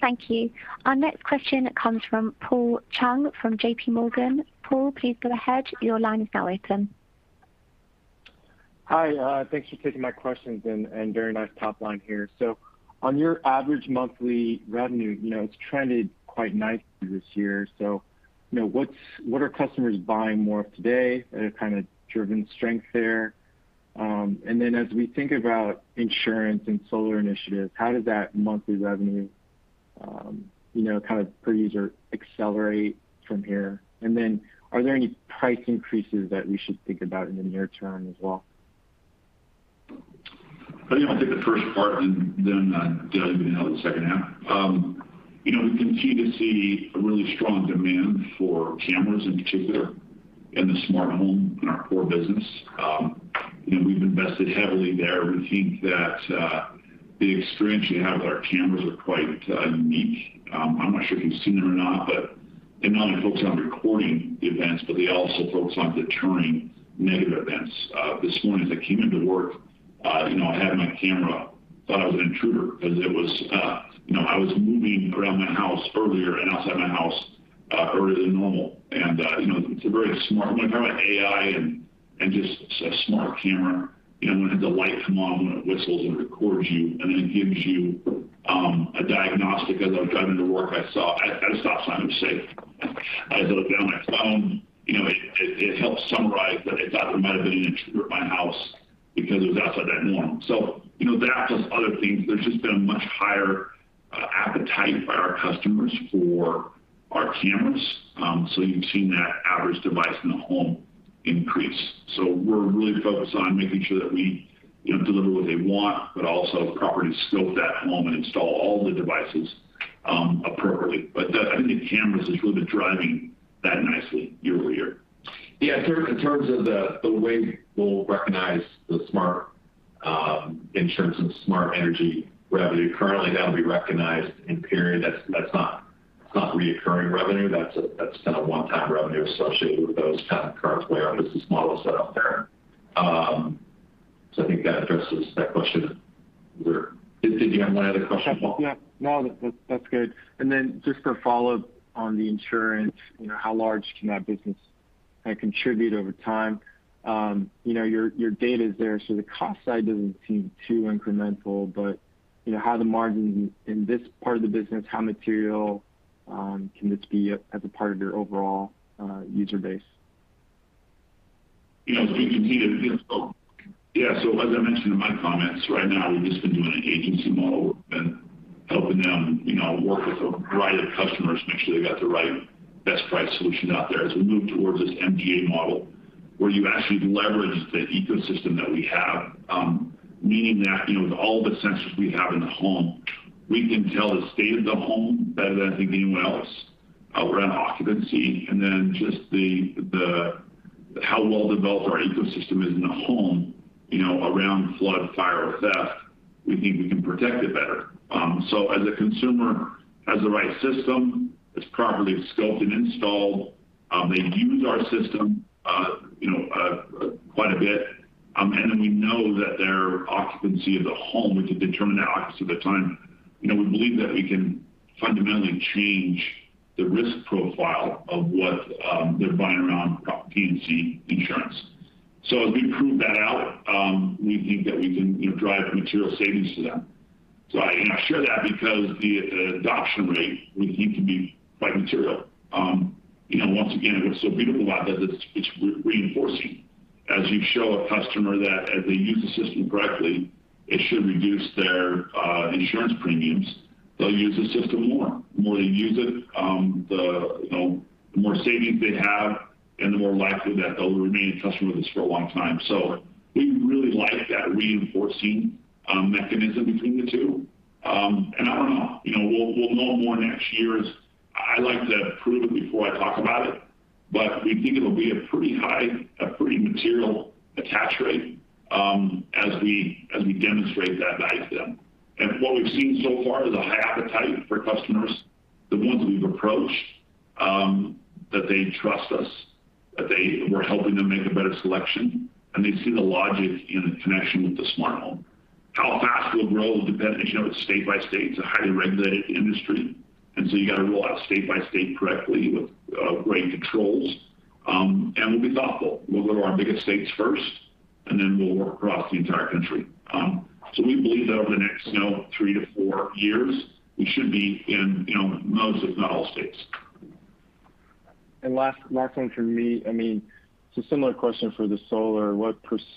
Thank you. Our next question comes from Paul Chung from JPMorgan. Paul, please go ahead. Your line is now open. Hi. Thanks for taking my questions and very nice top line here. On your average monthly revenue, you know, it's trended quite nicely this year. You know, what are customers buying more of today that have kind of driven strength there? As we think about insurance and solar initiatives, how does that monthly revenue, you know, kind of per user accelerate from here? Are there any price increases that we should think about in the near term as well? I think I'll take the first part and then, Dale can handle the second half. You know, we continue to see a really strong demand for cameras in particular in the smart home, in our core business. You know, we've invested heavily there. We think that, the experience you have with our cameras are quite, unique. I'm not sure if you've seen it or not, but they not only focus on recording the events, but they also focus on deterring negative events. This morning as I came into work. You know, I had my camera thought I was an intruder because it was, you know, I was moving around my house earlier and outside my house, earlier than normal. You know, when you're talking about AI and just a smart camera, you know, when it has a light come on, when it whistles or records you, and then gives you a diagnostic. As I was driving to work, I saw at a stop sign. I'm safe. As I looked down at my phone, you know, it helped summarize that it thought there might have been an intruder at my house because it was outside that norm. You know, that plus other things. There's just been a much higher appetite by our customers for our cameras. You've seen that average device in the home increase. We're really focused on making sure that we, you know, deliver what they want, but also properly scope that home and install all the devices appropriately. I think the cameras has really been driving that nicely year-over-year. Yeah. In terms of the way we'll recognize the smart insurance and smart energy revenue, currently that'll be recognized in period. That's not recurring revenue. That's kind of one-time revenue associated with those kind of current way our business model is set up there. So I think that addresses that question. Did you have any other questions, Paul? Yeah. No, that's good. Then just for follow-up on the insurance, you know, how large can that business kinda contribute over time? You know, your data is there, so the cost side doesn't seem too incremental. You know, how the margin in this part of the business, how material can this be as a part of your overall user base? You know, speaking to you know. Yeah. As I mentioned in my comments, right now we've just been doing an agency model. We've been helping them, you know, work with a variety of customers to make sure they got the right best price solution out there. As we move towards this MGA model where you actually leverage the ecosystem that we have, meaning that, you know, with all the sensors we have in the home, we can tell the state of the home better than I think anyone else around occupancy. Just the how well developed our ecosystem is in the home, you know, around flood, fire, or theft, we think we can protect it better. As a consumer has the right system, it's properly scoped and installed, they use our system, you know, quite a bit, and then we know that their occupancy of the home, we can determine that occupancy at the time. You know, we believe that we can fundamentally change the risk profile of what they're buying around P&C insurance. As we prove that out, we think that we can, you know, drive material savings to them. I, you know, I share that because the adoption rate we think can be quite material. You know, once again, what's so beautiful about that is it's reinforcing. As you show a customer that as they use the system correctly, it should reduce their insurance premiums, they'll use the system more. The more they use it, you know, the more savings they have and the more likely that they'll remain a customer with us for a long time. So we really like that reinforcing mechanism between the two. I don't know, you know, we'll know more next year. I like to prove it before I talk about it, but we think it'll be a pretty high, a pretty material attach rate, as we demonstrate that value to them. What we've seen so far is a high appetite for customers, the ones we've approached, that they trust us, that we're helping them make a better selection, and they see the logic in a connection with the smart home. How fast we'll grow will depend. As you know, it's state by state. It's a highly regulated industry, and so you got to roll out state by state correctly with great controls. We'll be thoughtful. We'll go to our biggest states first, and then we'll work across the entire country. We believe that over the next, you know, three to four years, we should be in, you know, most, if not all states. Last one from me. I mean, it's a similar question for the solar. What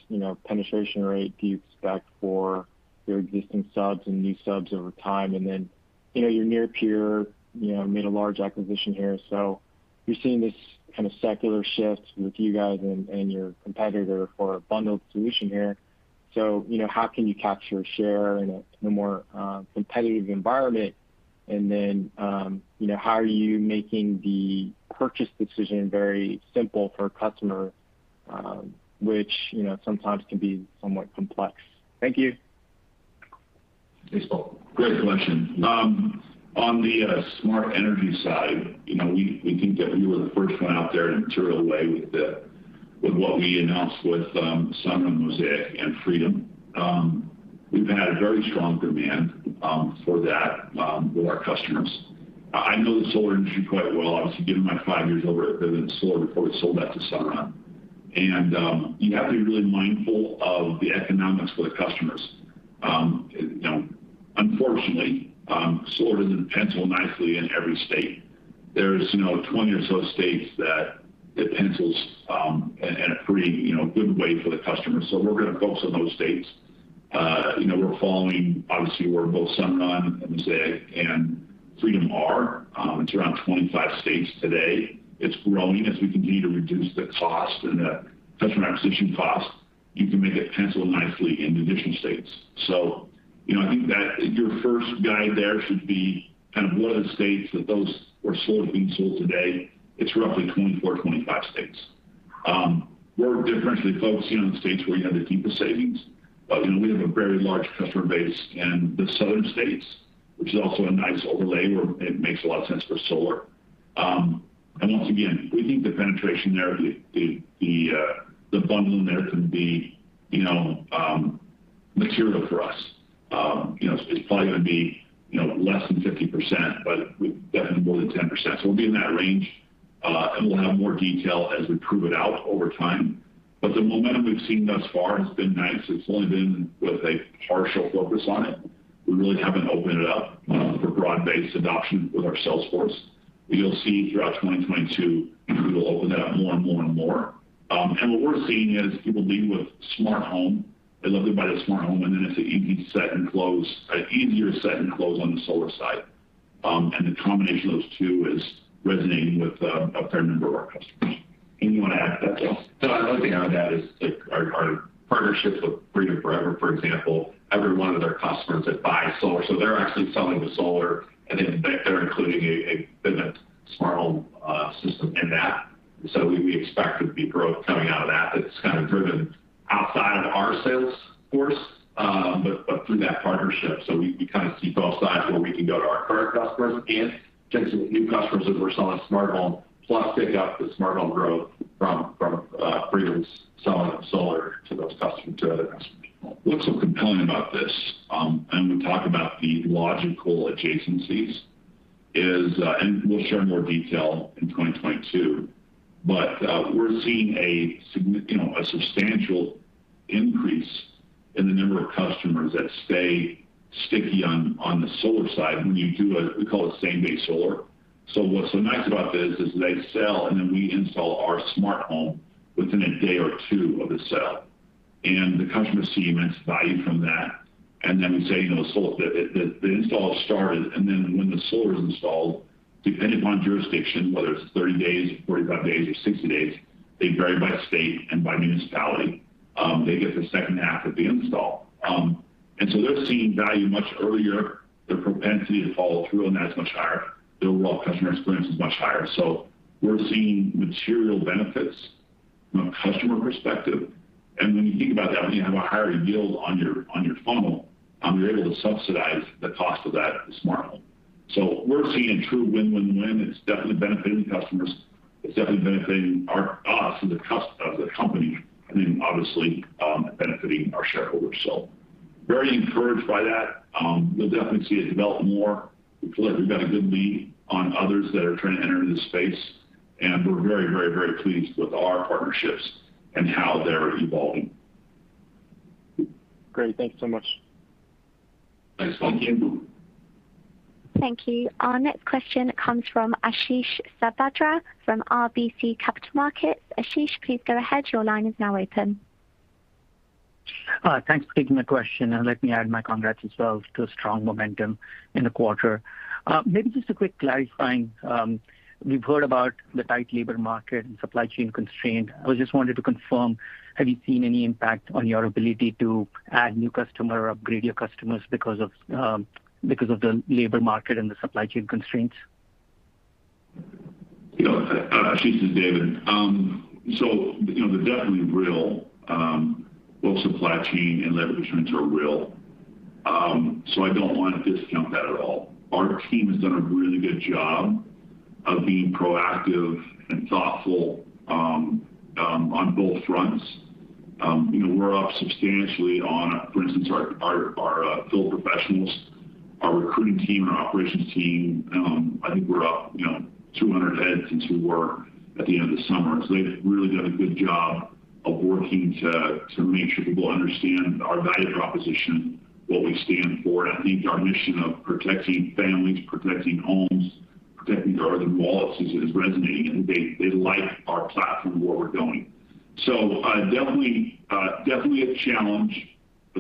you know, penetration rate do you expect for your existing subs and new subs over time? Then, you know, your near peer made a large acquisition here. You're seeing this kind of secular shift with you guys and your competitor for a bundled solution here. How can you capture share in a more competitive environment? Then, you know, how are you making the purchase decision very simple for a customer, which you know, sometimes can be somewhat complex? Thank you. Thanks, Paul. Great question. On the smart energy side, you know, we think that we were the first one out there in a material way with what we announced with Sunrun, Mosaic, and Freedom. We've had a very strong demand for that with our customers. I know the solar industry quite well, obviously, given my five years over at Vivint Solar before we sold that to Sunrun. You have to be really mindful of the economics for the customers. You know, unfortunately, solar doesn't pencil nicely in every state. There's you know 20 or so states that it pencils in a pretty you know good way for the customer. We're gonna focus on those states. You know, we're following obviously where both Sunrun, Mosaic, and Freedom are. It's around 25 states today. It's growing. As we continue to reduce the cost and the customer acquisition cost, you can make it pencil nicely in additional states. You know, I think that your first guide there should be kind of what are the states that solar is being sold today? It's roughly 24, 25 states. We're differentially focusing on the states where you have the deepest savings. You know, we have a very large customer base in the southern states, which is also a nice overlay where it makes a lot of sense for solar. Once again, we think the penetration there, the bundle there can be, you know, material for us. You know, it's probably gonna be, you know, less than 50%, but definitely more than 10%. We'll be in that range, and we'll have more detail as we prove it out over time. The momentum we've seen thus far has been nice. It's only been with a partial focus on it. We really haven't opened it up for broad-based adoption with our sales force. You'll see throughout 2022, we will open that up more and more and more. What we're seeing is people lead with smart home. They love to buy the smart home, and then it's an easy set and close, an easier set and close on the solar side. The combination of those two is resonating with a fair number of our customers. Anything you wanna add to that, Dale? No, I only think that is like our partnerships with Freedom Forever, for example, every one of their customers that buys solar, so they're actually selling the solar, and then they're including a smart home system in that. We expect there to be growth coming out of that's kind of driven outside of our sales force, but through that partnership. We kind of keep both sides where we can go to our current customers and get some new customers if we're selling a smart home, plus pick up the smart home growth from Freedom's selling of solar to those customers as well. What's so compelling about this, and we talk about the logical adjacencies is, and we'll share more detail in 2022. We're seeing you know, a substantial increase in the number of customers that stay sticky on the solar side when you do a we call it same-day solar. What's so nice about this is they sell, and then we install our smart home within a day or two of the sale. The customer sees immense value from that. Then we say, you know, solar, the install has started, and then when the solar is installed, depending upon jurisdiction, whether it's 30 days, 45 days or 60 days, they vary by state and by municipality, they get the second half of the install. They're seeing value much earlier. Their propensity to follow through on that is much higher. Their overall customer experience is much higher. We're seeing material benefits from a customer perspective. When you think about that, when you have a higher yield on your funnel, you're able to subsidize the cost of that smart home. We're seeing a true win-win-win. It's definitely benefiting the customers. It's definitely benefiting us as a company, and then obviously, benefiting our shareholders. Very encouraged by that. You'll definitely see it develop more. We feel like we've got a good lead on others that are trying to enter the space, and we're very, very, very pleased with our partnerships and how they're evolving. Great. Thank you so much. Thanks, Paul. Thank you. Our next question comes from Ashish Sabadra from RBC Capital Markets. Ashish, please go ahead. Your line is now open. Thanks for taking my question, and let me add my congrats as well to the strong momentum in the quarter. Maybe just a quick clarifying, we've heard about the tight labor market and supply chain constraint. I just wanted to confirm, have you seen any impact on your ability to add new customer or upgrade your customers because of the labor market and the supply chain constraints? You know, Ashish, this is David. You know, they're definitely real. Both supply chain and labor constraints are real. I don't want to discount that at all. Our team has done a really good job of being proactive and thoughtful on both fronts. You know, we're up substantially on, for instance, our field professionals, our recruiting team and our operations team. I think we're up, you know, 200 heads since we were at the end of the summer. They've really done a good job of working to make sure people understand our value proposition, what we stand for. I think our mission of protecting families, protecting homes, protecting their urban wallets is resonating, and they like our platform and where we're going. Definitely a challenge,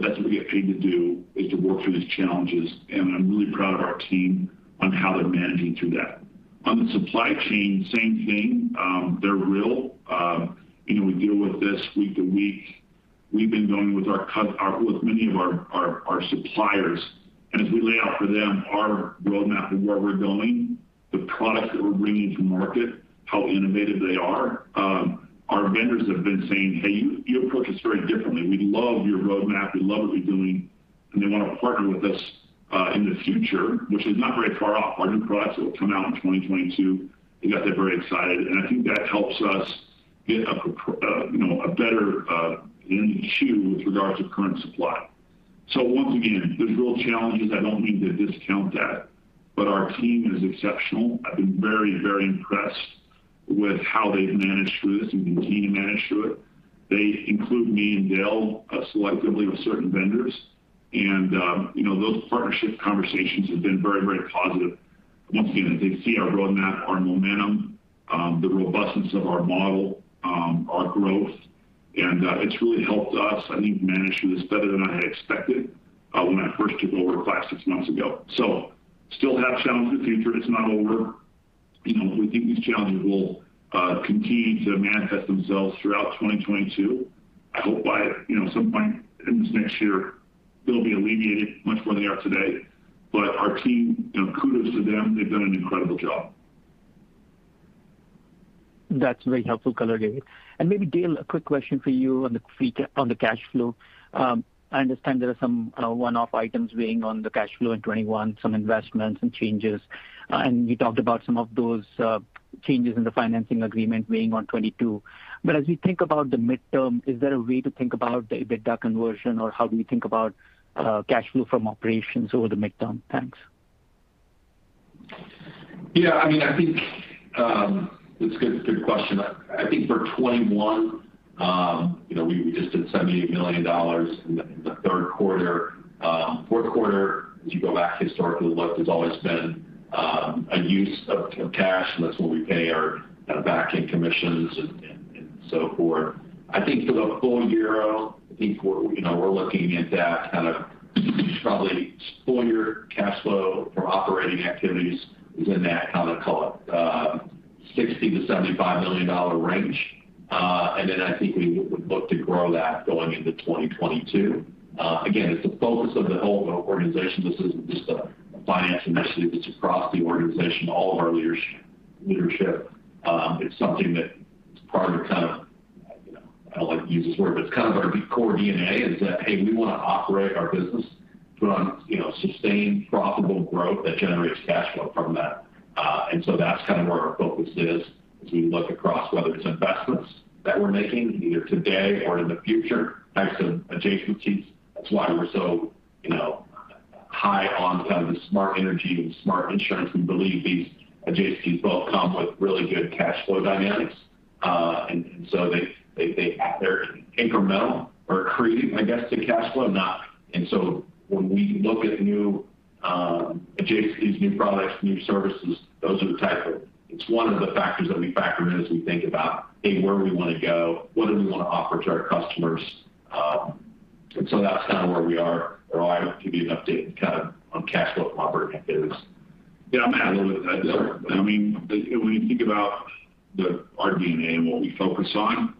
but that's what we get paid to do, is to work through these challenges. I'm really proud of our team on how they're managing through that. On the supply chain, same thing, they're real. You know, we deal with this week to week. We've been going with many of our suppliers. As we lay out for them our roadmap of where we're going, the products that we're bringing to market, how innovative they are, our vendors have been saying, "Hey, you approach this very differently. We love your roadmap. We love what you're doing." They want to partner with us in the future, which is not very far off. Our new products that will come out in 2022, they got very excited. I think that helps us get a better insight with regards to current supply. You know, once again, there's real challenges. I don't mean to discount that, but our team is exceptional. I've been very, very impressed with how they've managed through this and continue to manage through it. They include me and Dale selectively with certain vendors. You know, those partnership conversations have been very, very positive. Once again, they see our roadmap, our momentum, the robustness of our model, our growth. It's really helped us, I think, manage through this better than I had expected, when I first took over five, six months ago. Still have challenges. The future is not over. You know, we think these challenges will continue to manifest themselves throughout 2022. I hope by, you know, some point in this next year, they'll be alleviated much more than they are today. Our team, you know, kudos to them. They've done an incredible job. That's very helpful colorr, David. Maybe Dale, a quick question for you on the cash flow. I understand there are some one-off items weighing on the cash flow in 2021, some investments and changes. You talked about some of those changes in the financing agreement weighing on 2022. But as we think about the midterm, is there a way to think about the EBITDA conversion or how do we think about cash flow from operations over the midterm? Thanks. Yeah. I mean, I think it's a good question. I think for 2021, you know, we just did $78 million in the third quarter. Fourth quarter, as you go back historically, look, there's always been a use of cash, and that's when we pay our back-end commissions and so forth. I think for the full year, I think we're, you know, we're looking at that kind of probably full year cash flow from operating activities is in that $60 million-$75 million range. And then I think we would look to grow that going into 2022. Again, it's the focus of the whole organization. This isn't just a finance initiative. It's across the organization, all of our leadership. It's something that is part of kind of, you know, I don't like to use this word, but it's kind of our core D&A is that, hey, we wanna operate our business to run, you know, sustained profitable growth that generates cash flow from that. That's kind of where our focus is as we look across whether it's investments that we're making either today or in the future, types of adjacencies. That's why we're so, you know, high on kind of the smart energy and smart insurance. We believe these adjacencies both come with really good cash flow dynamics. They’re incremental or accretive, I guess, to cash flow, not. When we look at new adjacencies, new products, new services, it's one of the factors that we factor in as we think about, hey, where do we wanna go? What do we wanna offer to our customers? That's kind of where we are or I will give you an update kind of on cash flow from operating activities. Yeah. I'm gonna add a little bit to that, Dale. I mean, when you think about our D&A and what we focus on,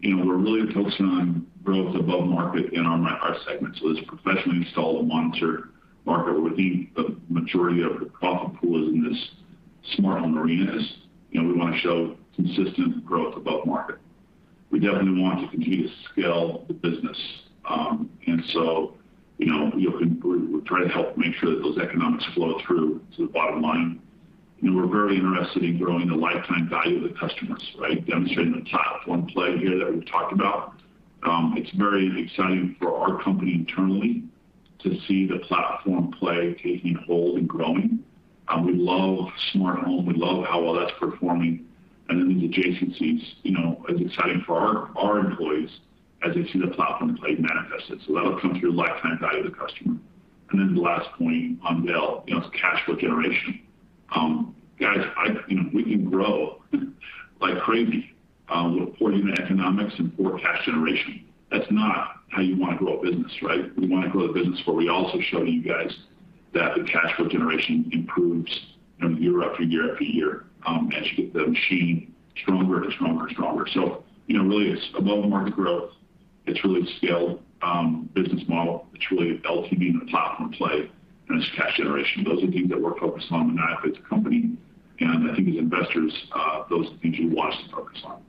you know, we're really focusing on growth above market in our segment. It's a professionally installed and monitored market where we think the majority of the profit pool is in this smart home arena. You know, we wanna show consistent growth above market. We definitely want to continue to scale the business. You know, we're trying to help make sure that those economics flow through to the bottom line. You know, we're very interested in growing the lifetime value of the customers, right? Demonstrating the platform play here that we've talked about. It's very exciting for our company internally to see the platform play taking hold and growing. We love smart home. We love how well that's performing. These adjacencies, you know, is exciting for our employees as they see the platform play manifested. That'll come through lifetime value of the customer. The last point on Dale, you know, it's cash flow generation. Guys, you know, we can grow like crazy with poor unit economics and poor cash generation. That's not how you wanna grow a business, right? We wanna grow the business, but we also show you guys that the cash flow generation improves, you know, year after year after year, as you get the machine stronger to stronger to stronger. You know, really it's above market growth. It's really scaled business model. It's really LTV and the platform play, and it's cash generation. Those are the things that we're focused on and that affects the company. I think as investors, those are the things you watch and focus on.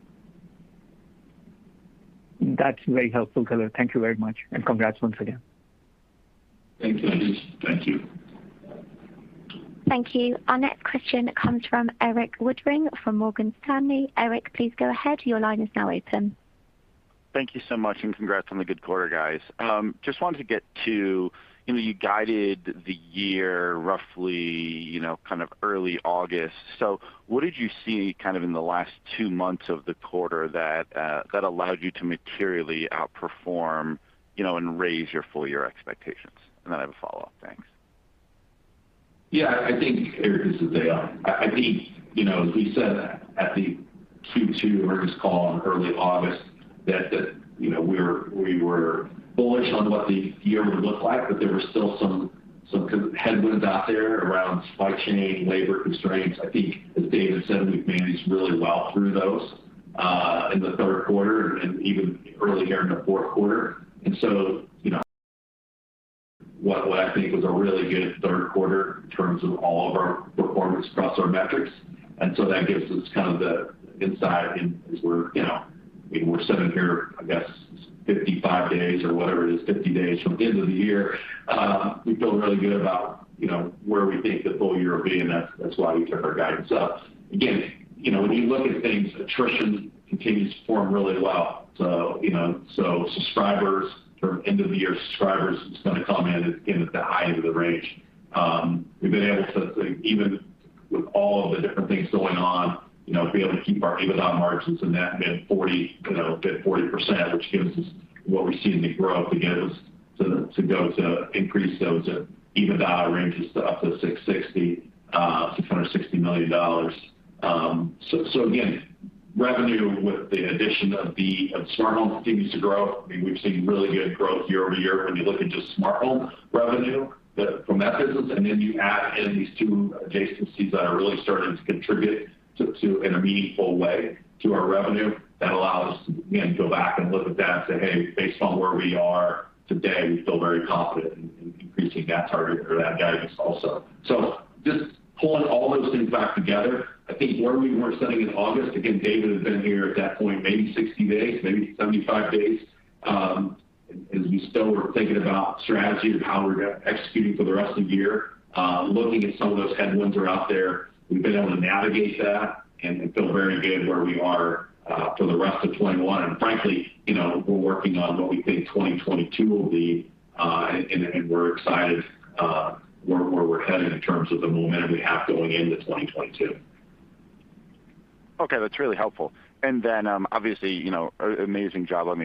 That's very helpful color. Thank you very much, and congrats once again. Thank you. Thanks. Thank you. Thank you. Our next question comes from Erik Woodring from Morgan Stanley. Erik, please go ahead. Your line is now open. Thank you so much, and congrats on the good quarter, guys. Just wanted to get to, you know, you guided the year roughly, you know, kind of early August. What did you see kind of in the last two months of the quarter that allowed you to materially outperform, you know, and raise your full year expectations? Then I have a follow-up. Thanks. Yeah. I think, Erik, this is Dale. I think, you know, as we said at the Q2 earnings call in early August that the, you know, we were bullish on what the year would look like, but there were still some headwinds out there around supply chain, labor constraints. I think as David said, we've managed really well through those in the third quarter and even early here in the fourth quarter. You know, what I think was a really good third quarter in terms of all of our performance across our metrics. That gives us kind of the insight in as we're, you know. I mean, we're sitting here, I guess, 55 days or whatever it is, 50 days from the end of the year. We feel really good about, you know, where we think the full year will be, and that's why we took our guidance up. Again, you know, when you look at things, attrition continues to form really well. You know, subscribers or end of the year subscribers is gonna come in at the high end of the range. We've been able to, even with all of the different things going on, you know, be able to keep our EBITDA margins in that mid-40%, you know, mid-40%, which gives us what we've seen the growth again is to go to increase those EBITDA ranges to up to $660 million. Again, revenue with the addition of smart home continues to grow. I mean, we've seen really good growth year-over-year when you look at just smart home revenue from that business, and then you add in these two adjacencies that are really starting to contribute to in a meaningful way to our revenue. That allows us to, again, go back and look at that and say, "Hey, based on where we are today, we feel very confident in increasing that target or that guidance also." Just pulling all those things back together, I think where we were sitting in August, again, David had been here at that point maybe 60 days, maybe 75 days. As we still were thinking about strategy and how we're gonna execute for the rest of the year, looking at some of those headwinds are out there, we've been able to navigate that and feel very good where we are for the rest of 2021. Frankly, you know, we're working on what we think 2022 will be, and we're excited where we're headed in terms of the momentum we have going into 2022. Okay. That's really helpful. Obviously, you know, amazing job. Where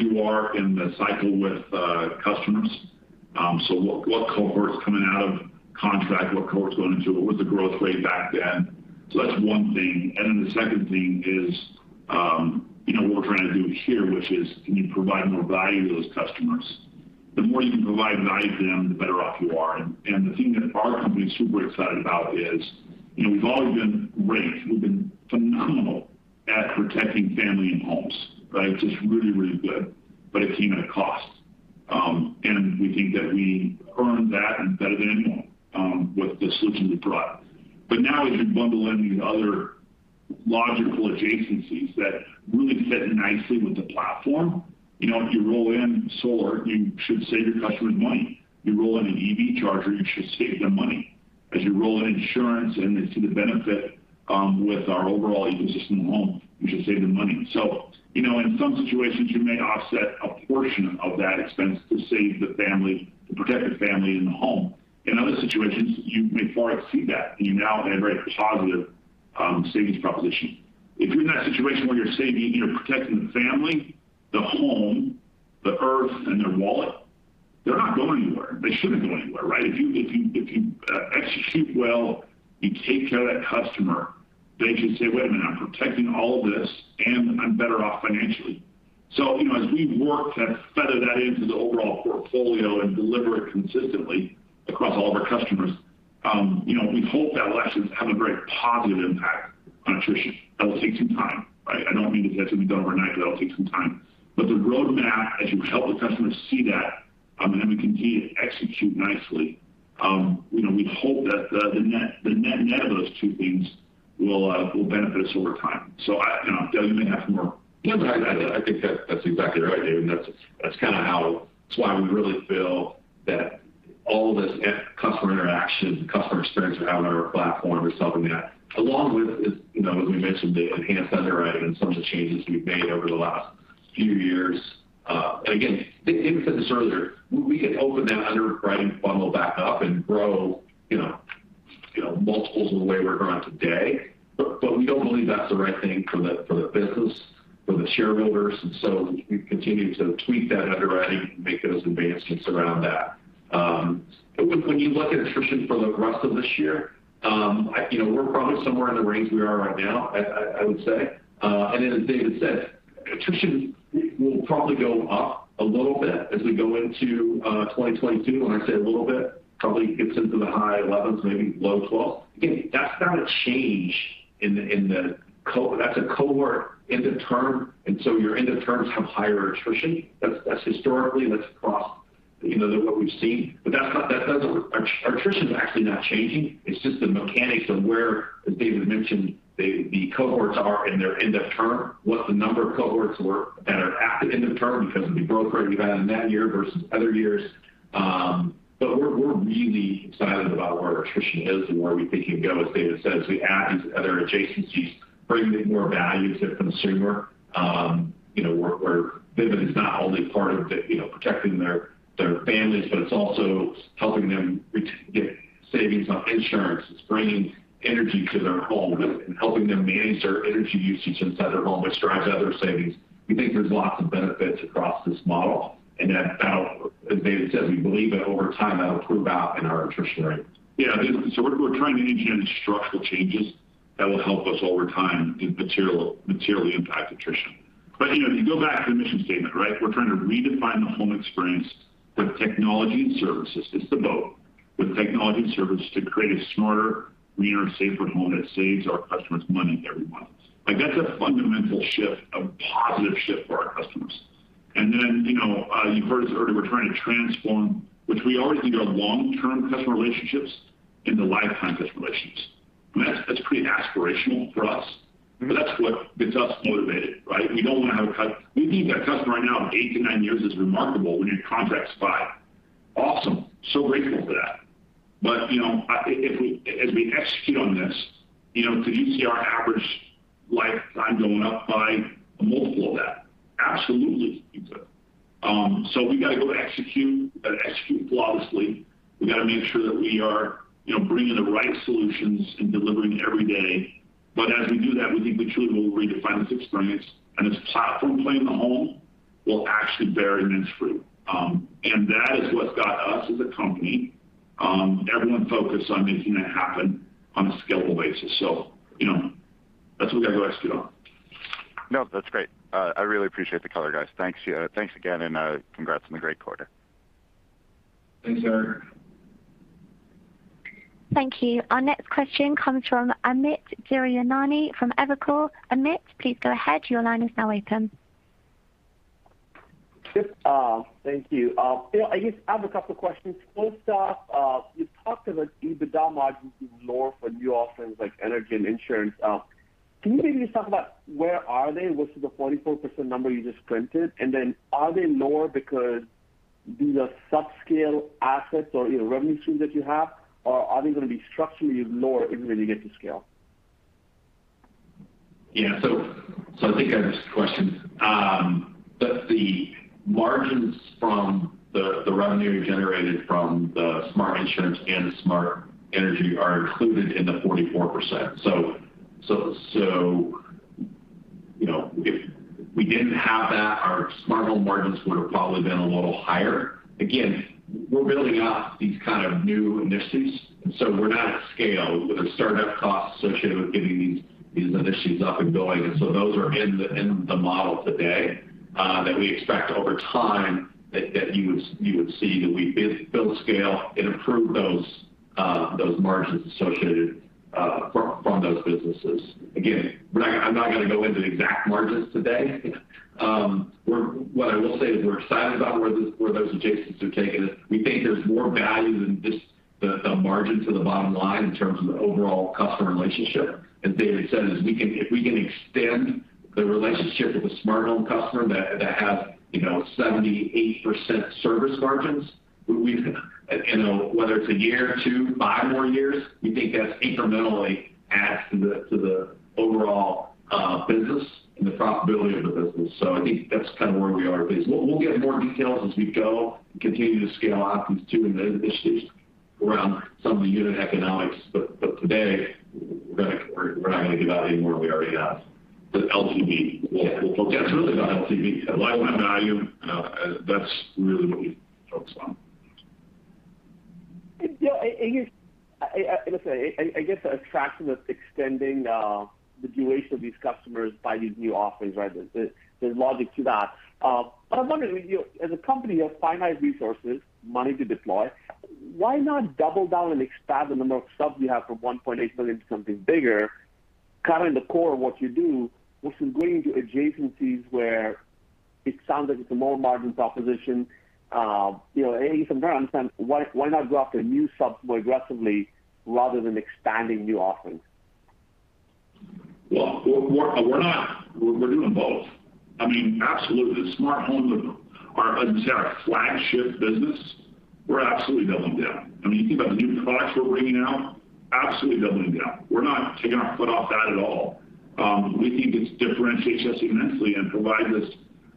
you are in the cycle with customers. What cohort's coming out of contract? What cohort's going into it? What was the growth rate back then? That's one thing. The second thing is, you know what we're trying to do here, which is can you provide more value to those customers? The more you can provide value to them, the better off you are. The thing that our company is super excited about is, you know, we've always been great. We've been phenomenal at protecting family and homes, right? Just really, really good. It came at a cost. We think that we earned that and better than anyone with the solutions we brought. Now as you bundle in these other logical adjacencies that really fit nicely with the platform, you know, if you roll in solar, you should save your customer money. You roll in an EV charger, you should save them money. As you roll in insurance and they see the benefit, with our overall ecosystem in the home, you should save them money. You know, in some situations, you may offset a portion of that expense to save the family, to protect the family and the home. In other situations, you may far exceed that, and you now have a very positive, savings proposition. If you're in that situation where you're saving, you're protecting the family, the home, the earth, and their wallet, they're not going anywhere. They shouldn't go anywhere, right? If you execute well, you take care of that customer, they should say, "Wait a minute, I'm protecting all of this, and I'm better off financially." You know, as we work to feather that into the overall portfolio and deliver it consistently across all of our customers, you know, we hope that will actually have a very positive impact on attrition. That will take some time, right? I don't mean to say it's gonna be done overnight, but that'll take some time. The roadmap as you help the customers see that, and then we continue to execute nicely, you know, we hope that the net-net of those two things will benefit us over time. I, you know, you may have more. Yeah. I think that's exactly right, David. That's kinda how. It's why we really feel that all this customer interaction and customer experience we have on our platform is something that along with, you know, as we mentioned, the enhanced underwriting and some of the changes we've made over the last few years, and again, David said this earlier, we could open that underwriting funnel back up and grow multiples of the way we're growing today. We don't believe that's the right thing for the business, for the shareholders, and so we continue to tweak that underwriting and make those advancements around that. When you look at attrition for the rest of this year, you know, we're probably somewhere in the range we are right now, I would say. As David said, attrition will probably go up a little bit as we go into 2022. When I say a little bit, probably gets into the high 11s, maybe low 12. Again, that's not a change in the cohort end of term, and so your end of terms have higher attrition. That's historically, that's across, you know, what we've seen. But that's not, that doesn't. Our attrition's actually not changing. It's just the mechanics of where, as David mentioned, the cohorts are in their end of term, what the number of cohorts were that are at the end of term because of the growth rate we've had in that year versus other years. We're really excited about where our attrition is and where we think it can go, as David said, as we add these other adjacencies, bring more value to the consumer. You know, where Vivint is not only part of the, you know, protecting their families, but it's also helping them get savings on insurance. It's bringing energy to their home and helping them manage their energy usage inside their home, which drives other savings. We think there's lots of benefits across this model. That, as David said, we believe that over time, that'll prove out in our attrition rates. Yeah. We're trying to engineer structural changes that will help us over time and materially impact attrition. You know, you go back to the mission statement, right? We're trying to redefine the home experience with technology and services. It's the both. With technology and services to create a smarter, greener, safer home that saves our customers money every month. Like, that's a fundamental shift, a positive shift for our customers. You know, you've heard us earlier, we're trying to transform, which we already think are long-term customer relationships into lifetime customer relationships. I mean, that's pretty aspirational for us. That's what gets us motivated, right? We don't want to have we think that customer right now of eight to nine years is remarkable when your contract's five. Awesome. Grateful for that. You know, as we execute on this, you know, could you see our average lifetime going up by a multiple of that? Absolutely you could. We gotta go execute flawlessly. We gotta make sure that we are, you know, bringing the right solutions and delivering every day. As we do that, we think we truly will redefine this experience, and this platform play in the home will actually bear immense fruit. That is what's got us as a company, everyone focused on making that happen on a scalable basis. You know, that's what we gotta go execute on. No, that's great. I really appreciate the color, guys. Thanks again, and congrats on the great quarter. Thanks, Erik. Thank you. Our next question comes from Amit Daryanani from Evercore. Amit, please go ahead. Your line is now open. Yes, thank you. Dale, I just have a couple questions. First off, you talked about EBITDA margins being lower for new offerings like energy and insurance. Can you maybe just talk about where are they versus the 44% number you just printed? Are they lower because these are subscale assets or, you know, revenue streams that you have, or are they gonna be structurally lower even when you get to scale? Yeah. I think I understand the question. The margins from the revenue generated from the smart onsurance and the smart energy are included in the 44%. You know, if we didn't have that, our smart home margins would have probably been a little higher. Again, we're building out these kind of new initiatives, so we're not at scale. There's startup costs associated with getting these initiatives up and going. Those are in the model today that we expect over time that you would see that we build scale and improve those margins associated from those businesses. Again, I'm not gonna go into the exact margins today. What I will say is we're excited about where those adjacencies are taking us. We think there's more value than just the margin to the bottom line in terms of the overall customer relationship. As David said, we can if we can extend the relationship with a smart home customer that have, you know, 70%-80% service margins, we can, you know, whether it's a year or two, five more years, we think that's incrementally adds to the overall business and the profitability of the business. So I think that's kind of where we are. We'll get more details as we go and continue to scale out these two initiatives around some of the unit economics. Today we're not gonna give out any more than we already have. The LTV. Yeah. We'll focus on. Yeah. It's really about LTV. Lifetime value, that's really what we focus on. Yeah. Here's, let's say, I guess the attraction of extending the duration of these customers by these new offerings, right? There's logic to that. I'm wondering, you know, as a company of finite resources, money to deploy, why not double down and expand the number of subs you have from 1.8 million to something bigger, sticking to the core of what you do versus going into adjacencies where it sounds like it's a lower-margin proposition. You know, from there, I'm saying why not go after new subs more aggressively rather than expanding new offerings? Well, we're not. We're doing both. I mean, absolutely the smart home are, as you say, our flagship business. We're absolutely doubling down. I mean, you think about the new products we're bringing out, absolutely doubling down. We're not taking our foot off that at all. We think it differentiates us immensely and provides us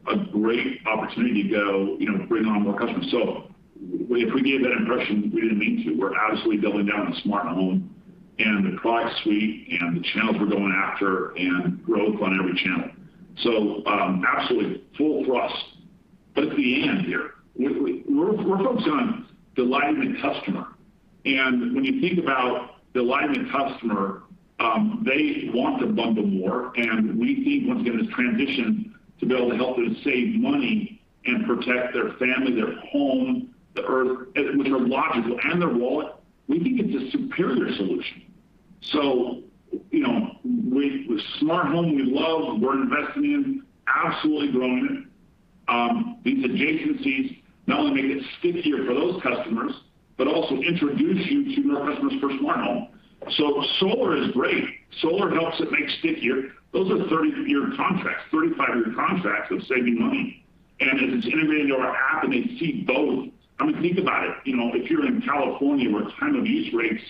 a great opportunity to go, you know, bring on more customers. So if we gave that impression, we didn't mean to. We're absolutely doubling down on smart home and the product suite and the channels we're going after and growth on every channel. So, absolutely full thrust. But at the end here, we're focused on delighting the customer. When you think about delighting the customer, they want to bundle more, and we think once we get this transition to be able to help them save money and protect their family, their home, the Earth, which are logical, and their wallet, we think it's a superior solution. You know, with smart home, we love, we're investing in, absolutely growing it. These adjacencies not only make it stickier for those customers, but also introduce you to more customers for smart home. Solar is great. Solar helps it make stickier. Those are 30-year contracts, 35-year contracts of saving money. As it's integrated into our app, and they see both. I mean, think about it. You know, if you're in California, where time of use rates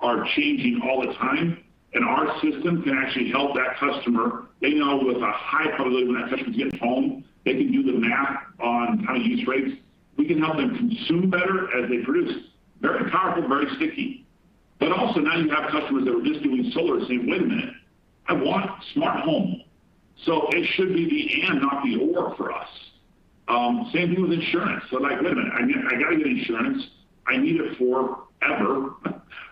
are changing all the time, and our system can actually help that customer, they know with a high probability when that customer gets home, they can do the math on time of use rates. We can help them consume better as they produce. Very powerful, very sticky. Also now you have customers that were just doing solar saying, "Wait a minute, I want smart home." It should be the and not the or for us. Same thing with insurance. They're like, "Wait a minute, I gotta get insurance. I need it forever."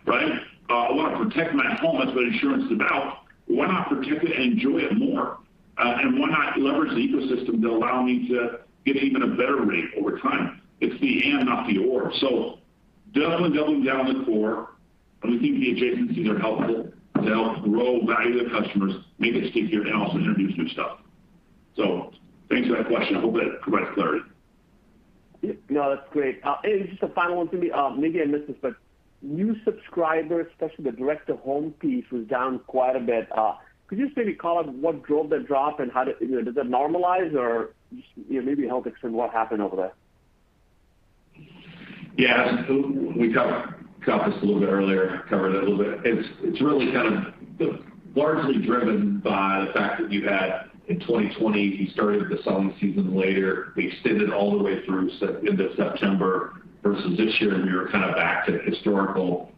Right? I wanna protect my home. That's what insurance is about. Why not protect it and enjoy it more? Why not leverage the ecosystem to allow me to get even a better rate over time? It's the and not the or. Doubling down the core, and we think the adjacencies are helpful to help grow value to customers, make it stickier, and also introduce new stuff. Thanks for that question. I hope that provides clarity. Yeah. No, that's great. Just a final one for me. Maybe I missed this, but new subscribers, especially the direct to home piece, was down quite a bit. Could you just maybe call out what drove that drop. You know, does that normalize or just, you know, maybe help explain what happened over there? Yeah. We covered this a little bit earlier, covered it a little bit. It's really kind of largely driven by the fact that you had, in 2020, we started the selling season later. We extended all the way through end of September versus this year we were kind of back to historical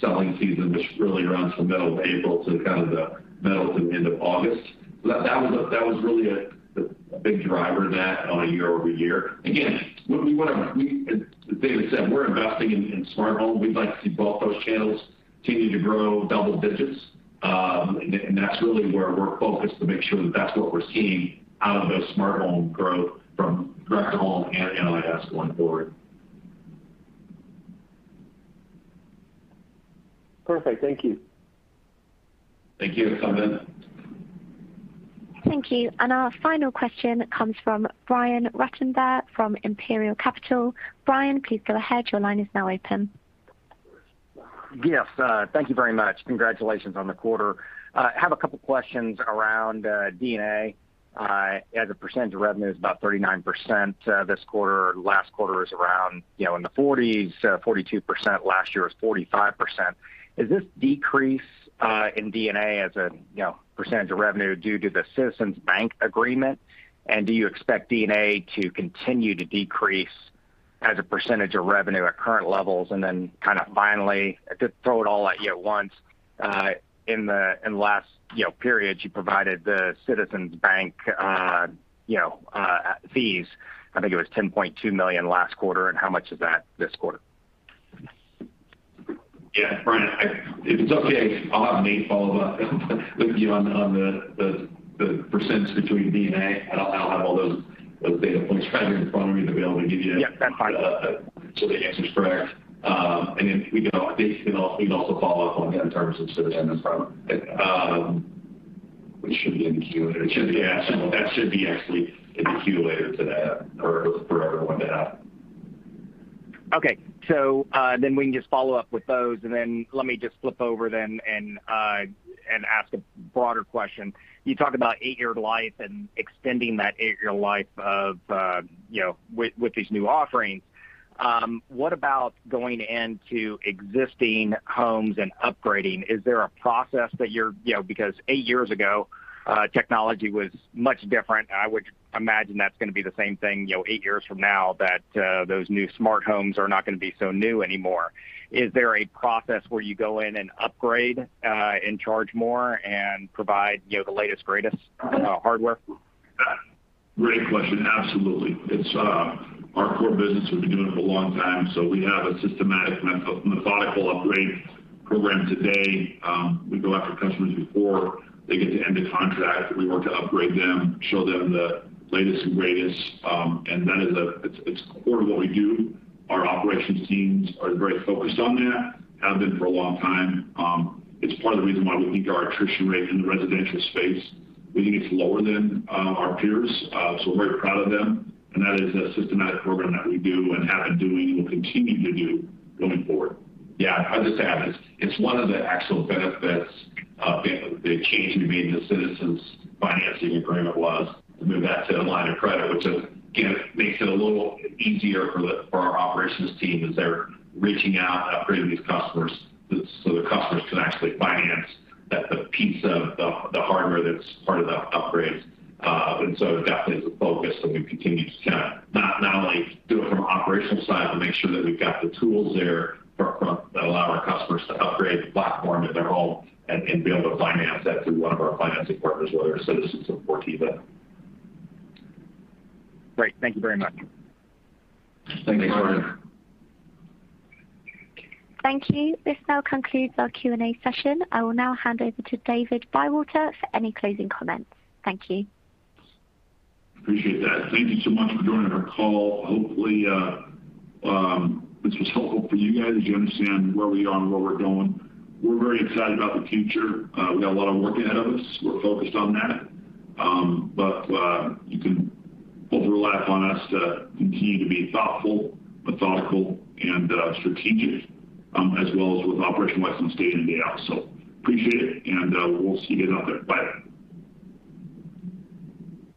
selling season, which really runs from middle of April to kind of the middle to end of August. That was really a big driver of that on a year-over-year. Again, we want to—as David said, we're investing in smart home. We'd like to see both those channels continue to grow double digits. That's really where we're focused to make sure that that's what we're seeing out of the smart home growth from direct to home and NIS going forward. Perfect. Thank you. Thank you. Come in. Thank you. Our final question comes from Brian Ruttenbur from Imperial Capital. Brian, please go ahead. Your line is now open. Yes, thank you very much. Congratulations on the quarter. I have a couple questions around D&A as a percentage of revenue is about 39% this quarter. Last quarter was around, you know, in the 40%s, 42%. Last year was 45%. Is this decrease in D&A as a, you know, percentage of revenue due to the Citizens Bank agreement? And do you expect D&A to continue to decrease as a percentage of revenue at current levels? And then kinda finally, to throw it all at you at once, in the last, you know, period, you provided the Citizens Bank, you know, fees. I think it was $10.2 million last quarter, and how much is that this quarter? Yeah, Brian, if it's okay, I'll have Nate follow up with you on the percents between D&A. I'll have all those data points right here in front of me to be able to give you. Yeah, that's fine. The answer's correct. He can also follow up on that in terms of Citizens Bank. We should be in the queue. It should be, yeah. That should be actually in the queue later today or for everyone to have. Okay. We can just follow up with those, and then let me just flip over and ask a broader question. You talk about eight-year life and extending that eight-year life of, you know, with these new offerings. What about going into existing homes and upgrading? Is there a process that you're you know, because eight years ago, technology was much different. I would imagine that's gonna be the same thing, you know, eight years from now that those new smart homes are not gonna be so new anymore. Is there a process where you go in and upgrade and charge more and provide, you know, the latest, greatest hardware? Great question. Absolutely. It's our core business. We've been doing it for a long time, so we have a systematic methodical upgrade program today. We go after customers before they get to end of contract. We work to upgrade them, show them the latest and greatest, and it's core to what we do. Our operations teams are very focused on that, have been for a long time. It's part of the reason why we think our attrition rate in the residential space is lower than our peers. We're very proud of them. That is a systematic program that we do and have been doing, and we'll continue to do going forward. Yeah. I'll just add, it's one of the actual benefits of the change we made in the Citizens financing agreement was to move that to a line of credit, which, again, makes it a little easier for our operations team as they're reaching out and upgrading these customers so the customers can actually finance the piece of the hardware that's part of the upgrade. It definitely is a focus, and we continue to kinda not only do it from an operational side to make sure that we've got the tools there that allow our customers to upgrade the platform in their home and be able to finance that through one of our financing partners, whether it's Citizens or Fortiva. Great. Thank you very much. Thanks, Brian. Thank you. This now concludes our Q&A session. I will now hand over to David Bywater for any closing comments. Thank you. Appreciate that. Thank you so much for joining our call. Hopefully, this was helpful for you guys as you understand where we are and where we're going. We're very excited about the future. We got a lot of work ahead of us. We're focused on that. But, you can overlap on us to continue to be thoughtful, methodical, and strategic, as well as with operational excellence day in and day out. Appreciate it, and, we'll see you guys out there. Bye.